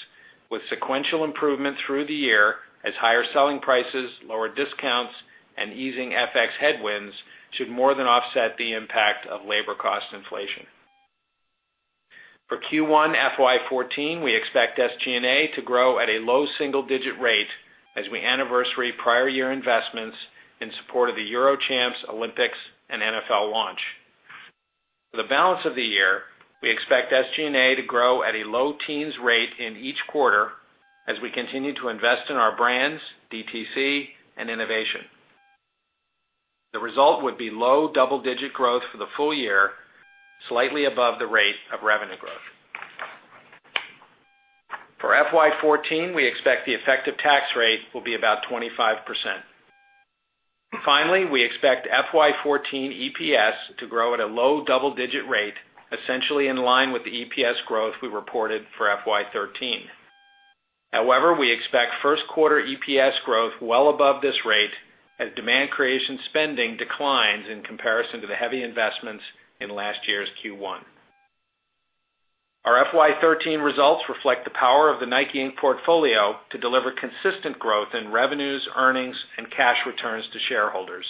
with sequential improvement through the year as higher selling prices, lower discounts, and easing FX headwinds should more than offset the impact of labor cost inflation. For Q1 FY 2014, we expect SG&A to grow at a low single-digit rate as we anniversary prior year investments in support of the Euro Champs, Olympics, and NFL launch. For the balance of the year, we expect SG&A to grow at a low-teens rate in each quarter as we continue to invest in our brands, DTC, and innovation. The result would be low double-digit growth for the full year, slightly above the rate of revenue growth. For FY 2014, we expect the effective tax rate will be about 25%. We expect FY 2014 EPS to grow at a low double-digit rate, essentially in line with the EPS growth we reported for FY 2013. However, we expect first quarter EPS growth well above this rate as demand creation spending declines in comparison to the heavy investments in last year's Q1. Our FY 2013 results reflect the power of the Nike, Inc. portfolio to deliver consistent growth in revenues, earnings, and cash returns to shareholders,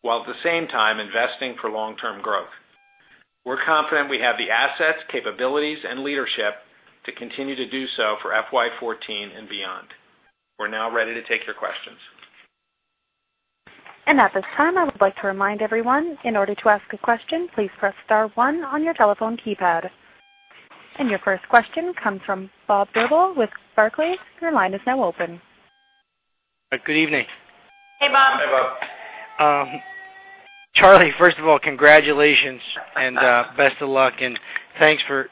while at the same time investing for long-term growth. We're confident we have the assets, capabilities, and leadership to continue to do so for FY 2014 and beyond. We're now ready to take your questions. At this time, I would like to remind everyone, in order to ask a question, please press star one on your telephone keypad. Your first question comes from Bob Drbul with Barclays. Your line is now open. Good evening. Hey, Bob. Charlie, first of all, congratulations and best of luck, and thanks for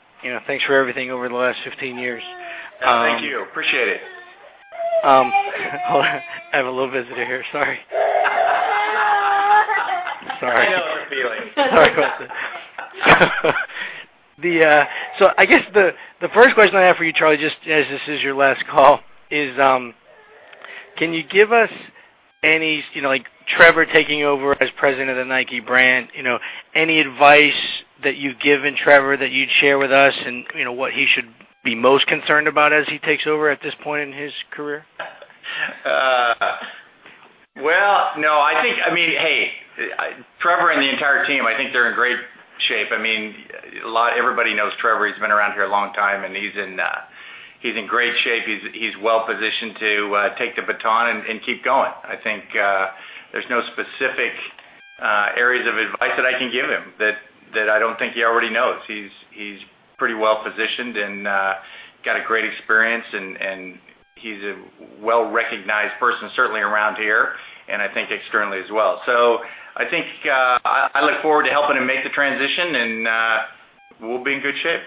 everything over the last 15 years. No, thank you. Appreciate it. Hold on. I have a little visitor here. Sorry. Sorry. I know the feeling. Sorry about that. I guess the first question I have for you, Charlie, just as this is your last call, is can you give us any Trevor taking over as President of the Nike Brand, any advice that you've given Trevor that you'd share with us and what he should be most concerned about as he takes over at this point in his career? Well, no. I think Trevor and the entire team, I think they're in great shape. Everybody knows Trevor. He's been around here a long time, and he's in great shape. He's well-positioned to take the baton and keep going. I think there's no specific areas of advice that I can give him that I don't think he already knows. He's pretty well positioned and got a great experience and he's a well-recognized person, certainly around here, and I think externally as well. I think I look forward to helping him make the transition. Good shape.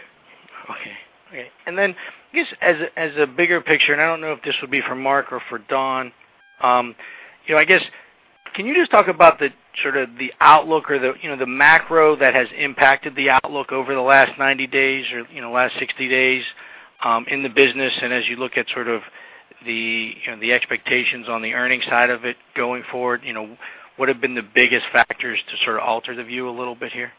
Just as a bigger picture, I don't know if this would be for Mark or for Don, can you just talk about the outlook or the macro that has impacted the outlook over the last 90 days or last 60 days in the business? As you look at the expectations on the earnings side of it going forward, what have been the biggest factors to sort of alter the view a little bit here?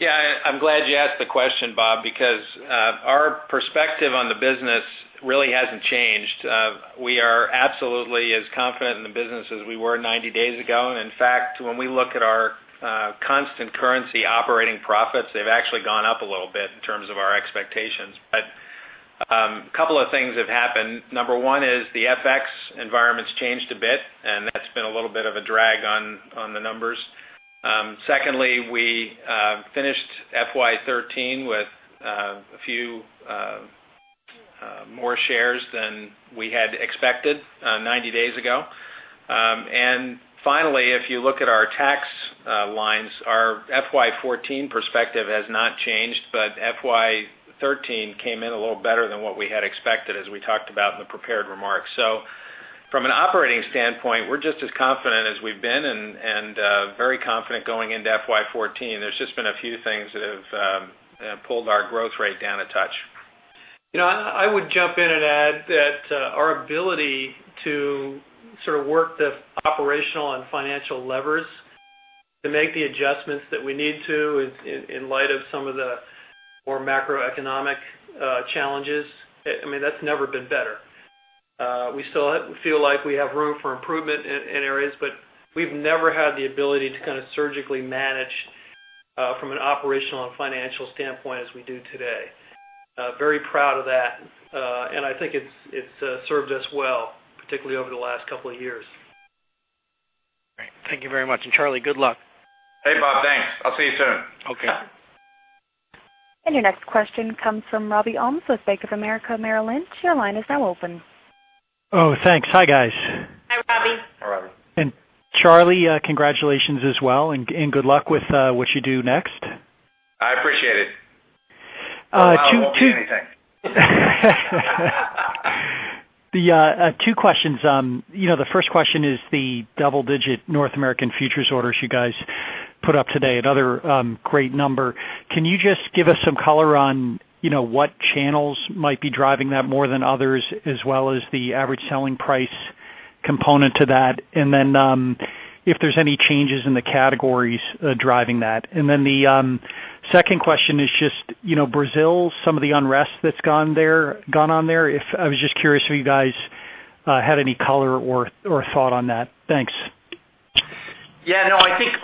Yeah, I'm glad you asked the question, Bob, because our perspective on the business really hasn't changed. We are absolutely as confident in the business as we were 90 days ago. In fact, when we look at our constant currency operating profits, they've actually gone up a little bit in terms of our expectations. A couple of things have happened. Number one is the FX environment's changed a bit, and that's been a little bit of a drag on the numbers. Secondly, we finished FY 2013 with a few more shares than we had expected 90 days ago. Finally, if you look at our tax lines, our FY 2014 perspective has not changed, but FY 2013 came in a little better than what we had expected, as we talked about in the prepared remarks. From an operating standpoint, we're just as confident as we've been and very confident going into FY 2014. There's just been a few things that have pulled our growth rate down a touch. I would jump in and add that our ability to work the operational and financial levers to make the adjustments that we need to in light of some of the more macroeconomic challenges, that's never been better. We still feel like we have room for improvement in areas, but we've never had the ability to kind of surgically manage from an operational and financial standpoint as we do today. Very proud of that, and I think it's served us well, particularly over the last couple of years. Great. Thank you very much. Charlie, good luck. Hey, Bob. Thanks. I'll see you soon. Okay. Your next question comes from Robert Ohmes with Bank of America Merrill Lynch. Your line is now open. Thanks. Hi, guys. Hi, Robbie. Hi, Robbie. Charlie, congratulations as well and good luck with what you do next. I appreciate it. Oh, wow, it won't be anything. Two questions. The first question is the double-digit North American futures orders you guys put up today, another great number. Can you just give us some color on what channels might be driving that more than others, as well as the average selling price component to that, and then if there's any changes in the categories driving that? The second question is just, Brazil, some of the unrest that's gone on there. I was just curious if you guys had any color or thought on that. Thanks. Yeah. I think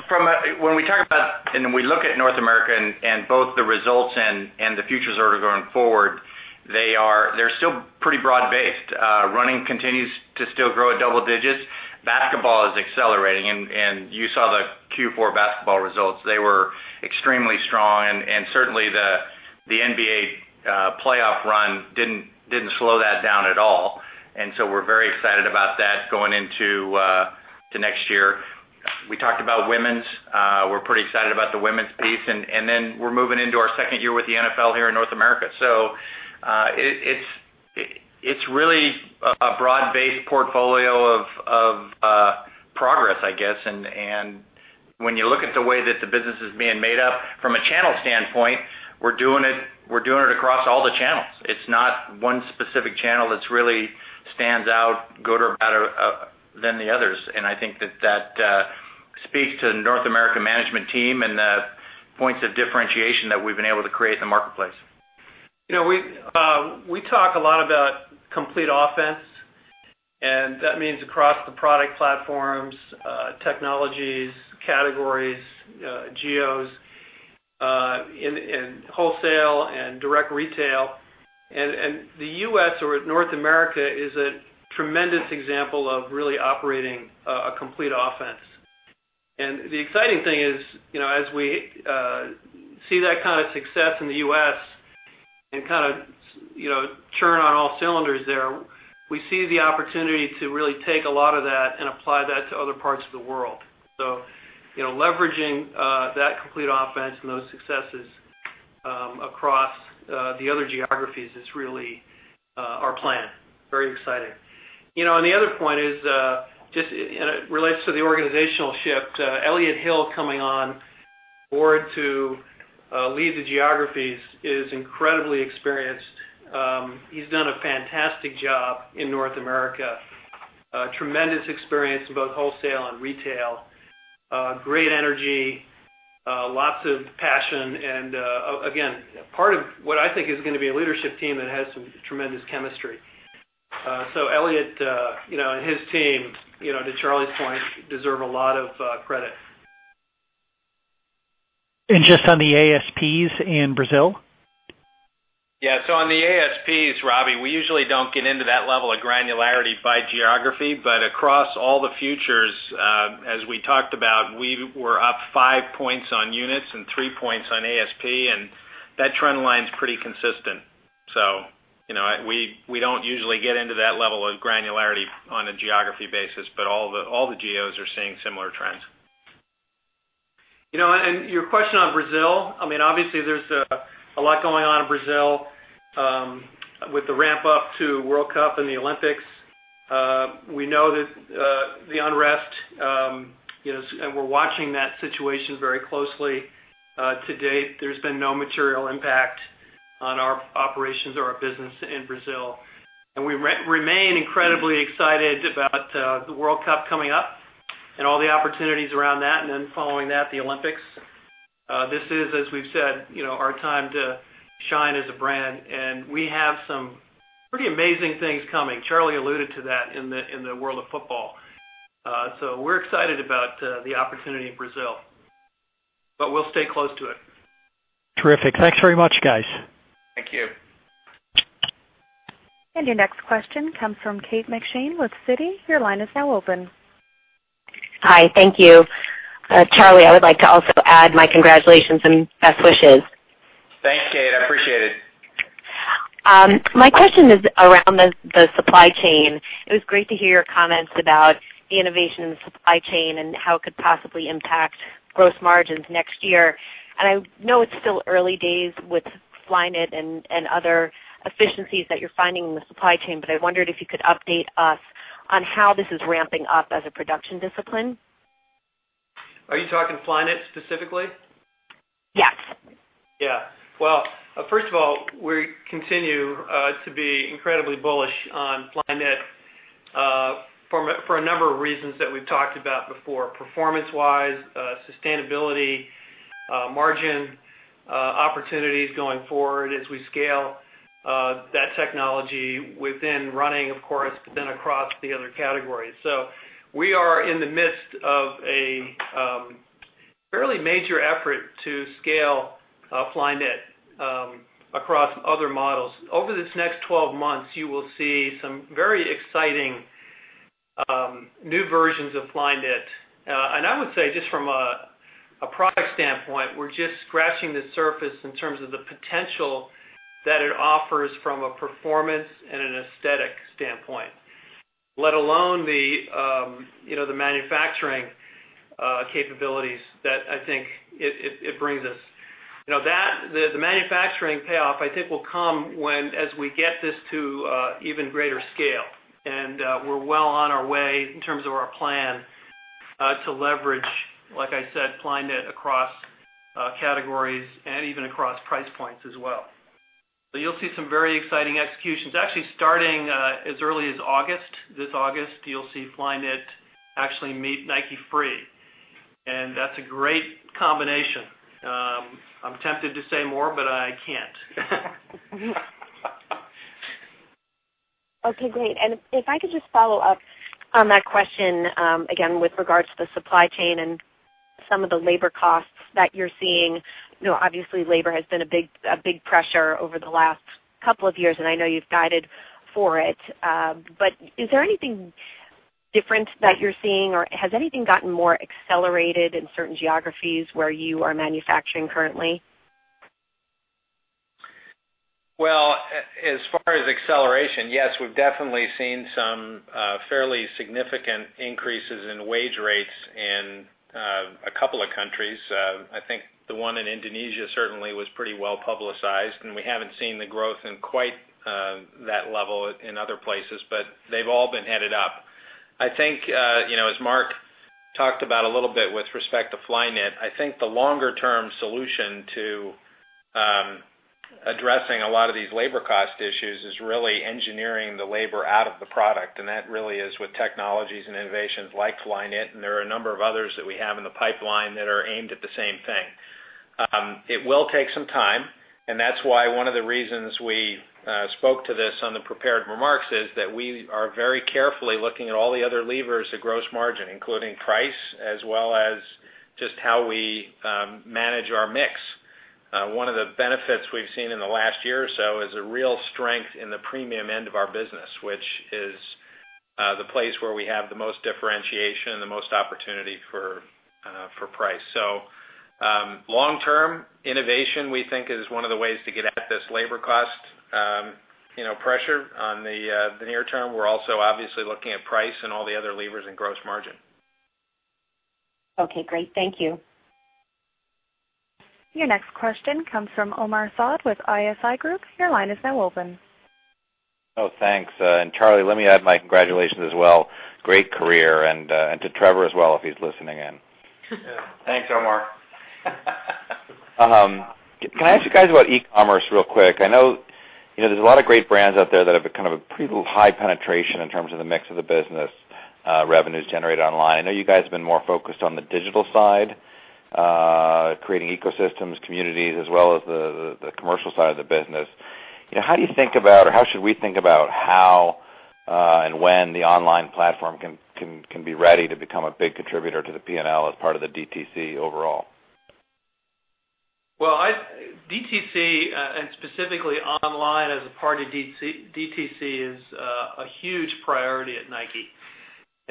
when we talk about, we look at North America and both the results and the futures order going forward, they're still pretty broad-based. Running continues to still grow at double digits. Basketball is accelerating, and you saw the Q4 basketball results. They were extremely strong, and certainly the NBA playoff run didn't slow that down at all. We're very excited about that going into next year. We talked about women's. We're pretty excited about the women's piece. We're moving into our second year with the NFL here in North America. It's really a broad-based portfolio of progress, I guess. When you look at the way that the business is being made up from a channel standpoint, we're doing it across all the channels. It's not one specific channel that really stands out good or better than the others. I think that speaks to the North American management team and the points of differentiation that we've been able to create in the marketplace. We talk a lot about complete offense, that means across the product platforms, technologies, categories, geos, in wholesale and direct retail. The U.S. or North America is a tremendous example of really operating a complete offense. The exciting thing is, as we see that kind of success in the U.S. and churn on all cylinders there, we see the opportunity to really take a lot of that and apply that to other parts of the world. Leveraging that complete offense and those successes across the other geographies is really our plan. Very exciting. The other point relates to the organizational shift. Elliott Hill coming on board to lead the geographies is incredibly experienced. He's done a fantastic job in North America. Tremendous experience in both wholesale and retail. Great energy, lots of passion, and again, part of what I think is going to be a leadership team that has some tremendous chemistry. Elliott and his team, to Charlie's point, deserve a lot of credit. Just on the ASPs in Brazil? On the ASPs, Robbie, we usually don't get into that level of granularity by geography. Across all the futures, as we talked about, we were up five points on units and three points on ASP, and that trend line's pretty consistent. We don't usually get into that level of granularity on a geography basis, but all the geos are seeing similar trends. Your question on Brazil, obviously there's a lot going on in Brazil with the ramp-up to World Cup and the Olympics. We know that the unrest, and we're watching that situation very closely. To date, there's been no material impact on our operations or our business in Brazil. We remain incredibly excited about the World Cup coming up and all the opportunities around that. Then following that, the Olympics. This is, as we've said, our time to shine as a brand. We have some pretty amazing things coming. Charlie alluded to that in the world of football. We're excited about the opportunity in Brazil. We'll stay close to it. Terrific. Thanks very much, guys. Thank you. Your next question comes from Kate McShane with Citi. Your line is now open. Hi, thank you. Charlie, I would like to also add my congratulations and best wishes. Thanks, Kate, I appreciate it. My question is around the supply chain. It was great to hear your comments about the innovation in the supply chain and how it could possibly impact gross margins next year. I know it's still early days with Flyknit and other efficiencies that you're finding in the supply chain, but I wondered if you could update us on how this is ramping up as a production discipline. Are you talking Flyknit specifically? Yes. Yeah. Well, first of all, we continue to be incredibly bullish on Flyknit for a number of reasons that we've talked about before. Performance-wise, sustainability, margin opportunities going forward as we scale that technology within running, of course, but then across the other categories. We are in the midst of a fairly major effort to scale Flyknit across other models. Over this next 12 months, you will see some very exciting new versions of Flyknit. I would say, just from a product standpoint, we're just scratching the surface in terms of the potential that it offers from a performance and an aesthetic standpoint, let alone the manufacturing capabilities that I think it brings us. The manufacturing payoff, I think, will come as we get this to even greater scale. We're well on our way in terms of our plan to leverage, like I said, Flyknit across categories and even across price points as well. You'll see some very exciting executions. Actually, starting as early as August, this August, you'll see Flyknit actually meet Nike Free, and that's a great combination. I'm tempted to say more, but I can't. Okay, great. If I could just follow up on that question, again, with regards to the supply chain and some of the labor costs that you're seeing. Obviously, labor has been a big pressure over the last couple of years, and I know you've guided for it. Is there anything different that you're seeing, or has anything gotten more accelerated in certain geographies where you are manufacturing currently? Well, as far as acceleration, yes, we've definitely seen some fairly significant increases in wage rates in a couple of countries. I think the one in Indonesia certainly was pretty well-publicized, and we haven't seen the growth in quite that level in other places, but they've all been headed up. I think, as Mark talked about a little bit with respect to Flyknit, I think the longer-term solution to addressing a lot of these labor cost issues is really engineering the labor out of the product. That really is with technologies and innovations like Flyknit, and there are a number of others that we have in the pipeline that are aimed at the same thing. It will take some time, that's why one of the reasons we spoke to this on the prepared remarks is that we are very carefully looking at all the other levers of gross margin, including price, as well as just how we manage our mix. One of the benefits we've seen in the last year or so is a real strength in the premium end of our business, which is the place where we have the most differentiation and the most opportunity for price. Long term, innovation, we think, is one of the ways to get at this labor cost pressure. On the near term, we're also obviously looking at price and all the other levers in gross margin. Okay, great. Thank you. Your next question comes from Omar Saad with ISI Group. Your line is now open. Thanks. Charlie, let me add my congratulations as well. Great career. To Trevor as well, if he's listening in. Thanks, Omar. Can I ask you guys about e-commerce real quick? I know there's a lot of great brands out there that have a pretty high penetration in terms of the mix of the business revenues generated online. I know you guys have been more focused on the digital side, creating ecosystems, communities, as well as the commercial side of the business. How do you think about, or how should we think about how and when the online platform can be ready to become a big contributor to the P&L as part of the DTC overall? Well, DTC and specifically online as a part of DTC is a huge priority at Nike.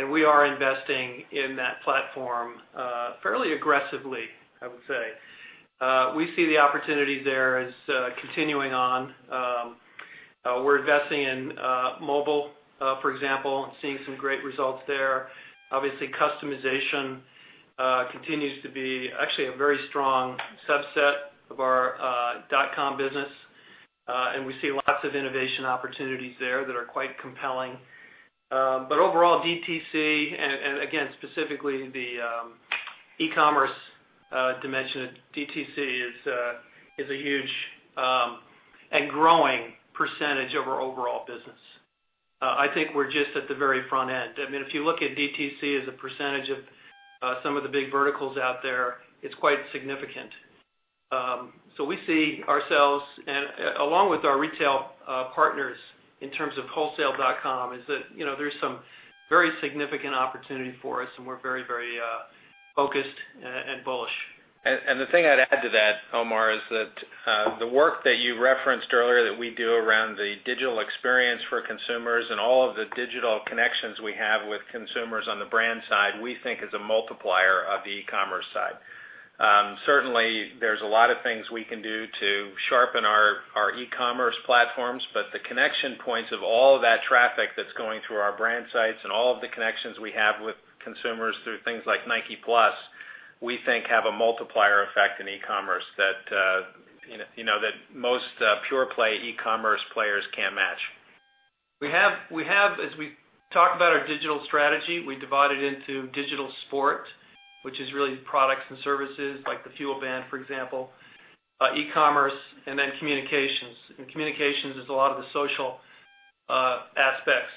We are investing in that platform, fairly aggressively, I would say. We see the opportunities there as continuing on. We're investing in mobile, for example, and seeing some great results there. Obviously, customization continues to be actually a very strong subset of our dot-com business. We see lots of innovation opportunities there that are quite compelling. Overall, DTC, and again, specifically the e-commerce dimension of DTC is a huge and growing percentage of our overall business. I think we're just at the very front end. If you look at DTC as a percentage of some of the big verticals out there, it's quite significant. We see ourselves, along with our retail partners in terms of wholesale dot-com, is that, there's some very significant opportunity for us and we're very focused and bullish. The thing I'd add to that, Omar, is that, the work that you referenced earlier, that we do around the digital experience for consumers and all of the digital connections we have with consumers on the brand side, we think is a multiplier of the e-commerce side. Certainly, there's a lot of things we can do to sharpen our e-commerce platforms, but the connection points of all of that traffic that's going through our brand sites and all of the connections we have with consumers through things like NikePlus, we think have a multiplier effect in e-commerce that most pure play e-commerce players can't match. As we talk about our digital strategy, we divide it into digital sport, which is really products and services like the FuelBand, for example, e-commerce, communications. Communications is a lot of the social aspects.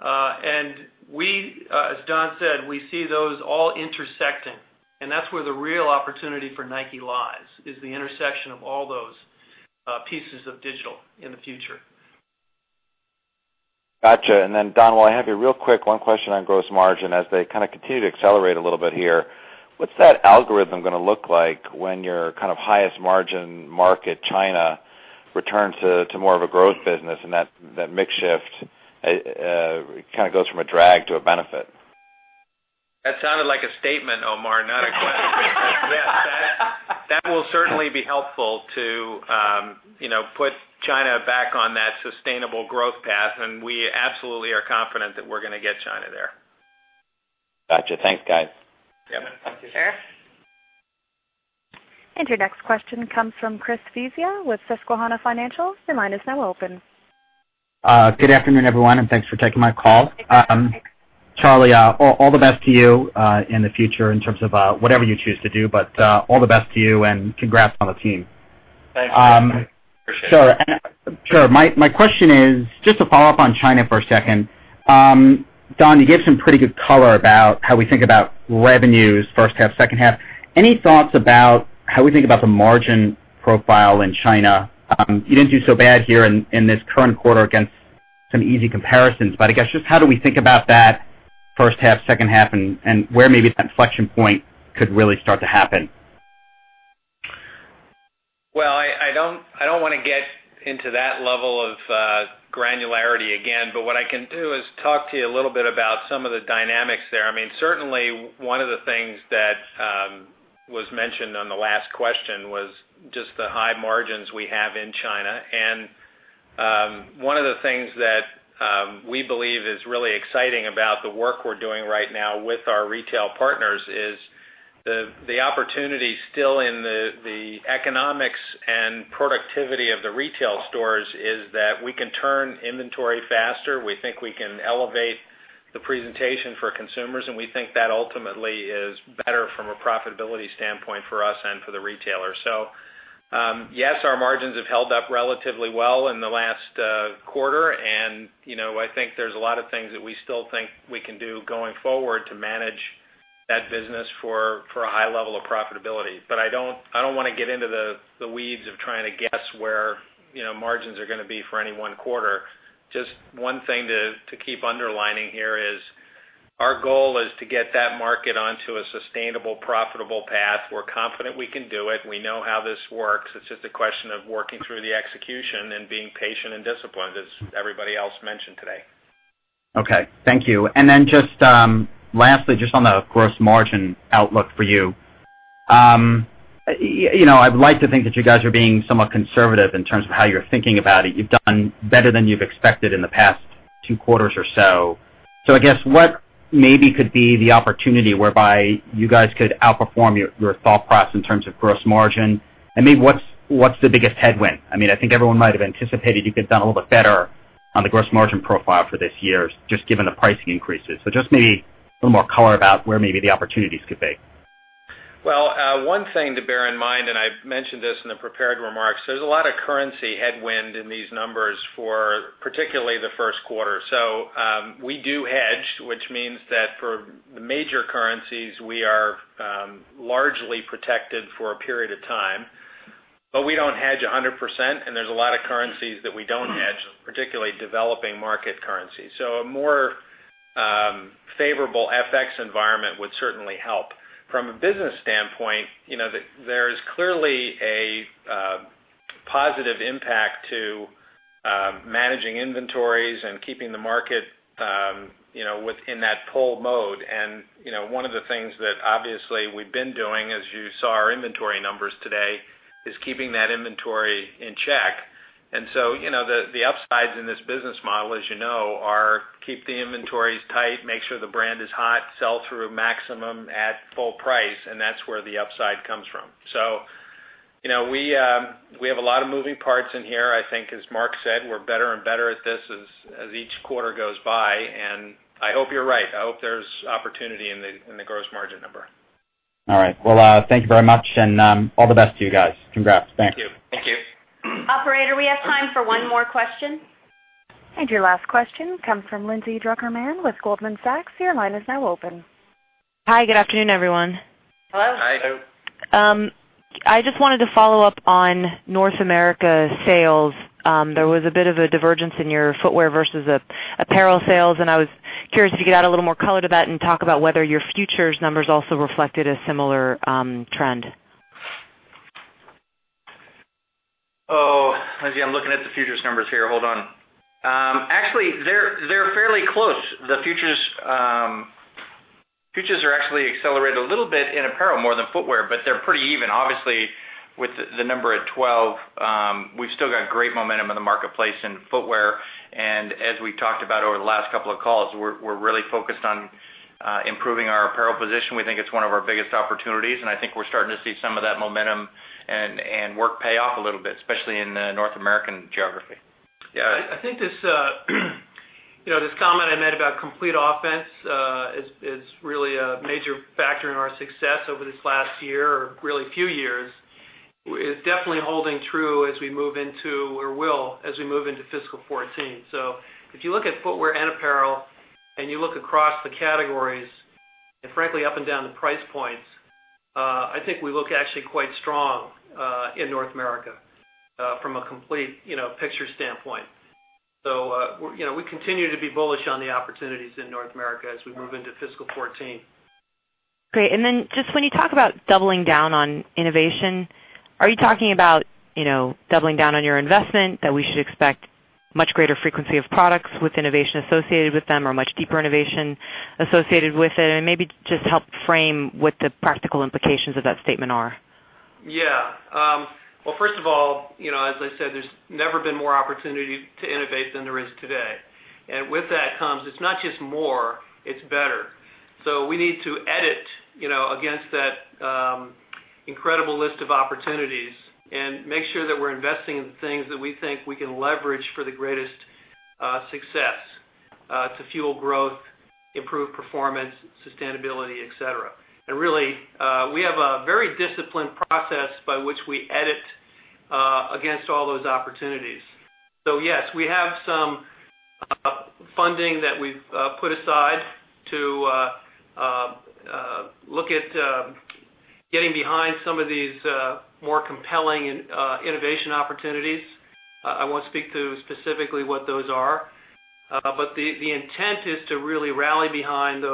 As Don said, we see those all intersecting, and that's where the real opportunity for Nike lies, is the intersection of all those pieces of digital in the future. Got you. Don, while I have you, real quick, one question on gross margin. As they continue to accelerate a little bit here, what's that algorithm going to look like when your highest margin market, China, returns to more of a growth business and that mix shift kind of goes from a drag to a benefit? That sounded like a statement, Omar, not a question. Yes, that will certainly be helpful to put China back on that sustainable growth path. We absolutely are confident that we're going to get China there. Got you. Thanks, guys. Yep. Sure. Your next question comes from Chris Svezia with Susquehanna Financial Group. Your line is now open. Good afternoon, everyone, and thanks for taking my call. Charlie, all the best to you, in the future in terms of whatever you choose to do, but, all the best to you and congrats on the team. Thanks, Chris. Appreciate it. Sure. My question is just to follow up on China for a second. Don, you gave some pretty good color about how we think about revenues first half, second half. Any thoughts about how we think about the margin profile in China? You didn't do so bad here in this current quarter against some easy comparisons, but I guess just how do we think about that first half, second half, and where maybe that inflection point could really start to happen? I don't want to get into that level of granularity again, but what I can do is talk to you a little bit about some of the dynamics there. Certainly, one of the things that was mentioned on the last question was just the high margins we have in China. One of the things that we believe is really exciting about the work we're doing right now with our retail partners is the opportunity still in the economics and productivity of the retail stores is that we can turn inventory faster. We think we can elevate the presentation for consumers, and we think that ultimately is better from a profitability standpoint for us and for the retailer. Yes, our margins have held up relatively well in the last quarter, and I think there's a lot of things that we still think we can do going forward to manage that business for a high level of profitability. I don't want to get into the weeds of trying to guess where margins are going to be for any one quarter. One thing to keep underlining here is our goal is to get that market onto a sustainable, profitable path. We're confident we can do it. We know how this works. It's just a question of working through the execution and being patient and disciplined, as everybody else mentioned today. Okay. Thank you. Then just, lastly, just on the gross margin outlook for you. I'd like to think that you guys are being somewhat conservative in terms of how you're thinking about it. You've done better than you've expected in the past two quarters or so. I guess what maybe could be the opportunity whereby you guys could outperform your thought process in terms of gross margin? Maybe what's the biggest headwind? I think everyone might have anticipated you could've done a little bit better on the gross margin profile for this year, just given the pricing increases. Just maybe a little more color about where maybe the opportunities could be. One thing to bear in mind, and I mentioned this in the prepared remarks, there's a lot of currency headwind in these numbers for particularly the first quarter. We do hedge, which means that for the major currencies, we are largely protected for a period of time. We don't hedge 100%, and there's a lot of currencies that we don't hedge, particularly developing market currencies. A more favorable FX environment would certainly help. From a business standpoint, there's clearly a Positive impact to managing inventories and keeping the market within that pull mode. One of the things that obviously we've been doing, as you saw our inventory numbers today, is keeping that inventory in check. The upsides in this business model, as you know, are keep the inventories tight, make sure the brand is hot, sell through maximum at full price, and that's where the upside comes from. We have a lot of moving parts in here. I think as Mark said, we're better and better at this as each quarter goes by, and I hope you're right. I hope there's opportunity in the gross margin number. All right. Well, thank you very much, and all the best to you guys. Congrats. Thanks. Thank you. Thank you. Operator, we have time for one more question. Your last question comes from Lindsay Drucker Mann with Goldman Sachs. Your line is now open. Hi. Good afternoon, everyone. Hello. Hi. I just wanted to follow up on North America sales. There was a bit of a divergence in your footwear versus apparel sales, and I was curious if you could add a little more color to that and talk about whether your futures numbers also reflected a similar trend. Oh, Lindsay, I'm looking at the futures numbers here. Hold on. Actually, they're fairly close. The futures are actually accelerated a little bit in apparel more than footwear, but they're pretty even. Obviously, with the number at 12, we've still got great momentum in the marketplace in footwear, and as we talked about over the last couple of calls, we're really focused on improving our apparel position. We think it's one of our biggest opportunities, and I think we're starting to see some of that momentum and work pay off a little bit, especially in the North American geography. Yeah. I think this comment I made about complete offense is really a major factor in our success over this last year or really few years. It's definitely holding true as we move into, or will, as we move into fiscal 2014. If you look at footwear and apparel and you look across the categories and frankly up and down the price points, I think we look actually quite strong in North America from a complete picture standpoint. We continue to be bullish on the opportunities in North America as we move into fiscal 2014. Great. Then just when you talk about doubling down on innovation, are you talking about doubling down on your investment, that we should expect much greater frequency of products with innovation associated with them or much deeper innovation associated with it? Maybe just help frame what the practical implications of that statement are. Yeah. Well, first of all, as I said, there's never been more opportunity to innovate than there is today. With that comes, it's not just more, it's better. We need to edit against that incredible list of opportunities and make sure that we're investing in things that we think we can leverage for the greatest success, to fuel growth, improve performance, sustainability, et cetera. Really, we have a very disciplined process by which we edit against all those opportunities. Yes, we have some funding that we've put aside to look at getting behind some of these more compelling innovation opportunities. I won't speak to specifically what those are. The intent is to really rally behind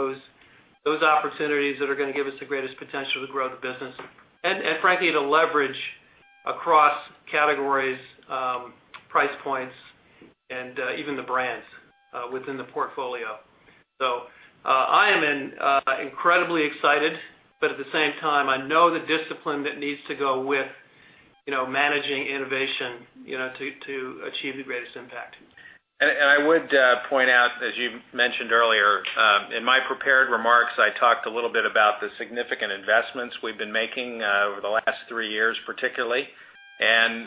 those opportunities that are going to give us the greatest potential to grow the business and, frankly, to leverage across categories, price points, and even the brands within the portfolio. I am incredibly excited, but at the same time, I know the discipline that needs to go with managing innovation to achieve the greatest impact. I would point out, as you mentioned earlier, in my prepared remarks, I talked a little bit about the significant investments we've been making over the last three years particularly.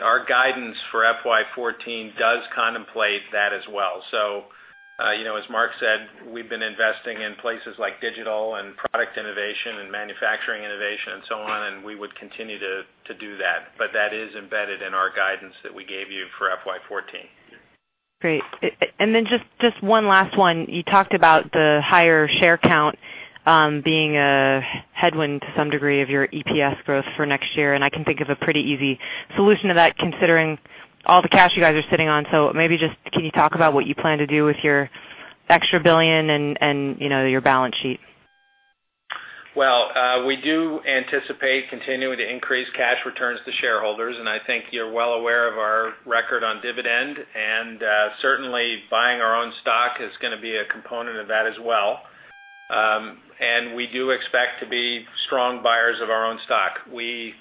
Our guidance for FY 2014 does contemplate that as well. As Mark said, we've been investing in places like digital and product innovation and manufacturing innovation and so on, and we would continue to do that. That is embedded in our guidance that we gave you for FY 2014. Great. Just one last one. You talked about the higher share count being a headwind to some degree of your EPS growth for next year, and I can think of a pretty easy solution to that, considering all the cash you guys are sitting on. Maybe just can you talk about what you plan to do with your extra $1 billion and your balance sheet? Well, we do anticipate continuing to increase cash returns to shareholders, and I think you're well aware of our record on dividend, and certainly buying our own stock is going to be a component of that as well. We do expect to be strong buyers of our own stock. We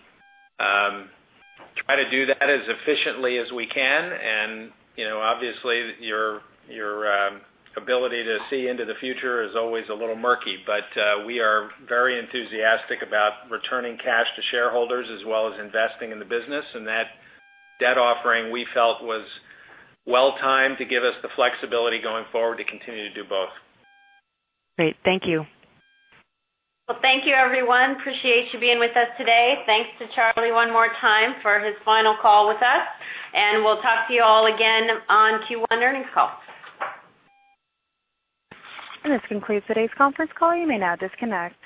try to do that as efficiently as we can, and obviously, your ability to see into the future is always a little murky. We are very enthusiastic about returning cash to shareholders as well as investing in the business. That debt offering, we felt, was well-timed to give us the flexibility going forward to continue to do both. Great. Thank you. Well, thank you, everyone. Appreciate you being with us today. Thanks to Charlie one more time for his final call with us. We'll talk to you all again on Q1 earnings call. This concludes today's conference call. You may now disconnect.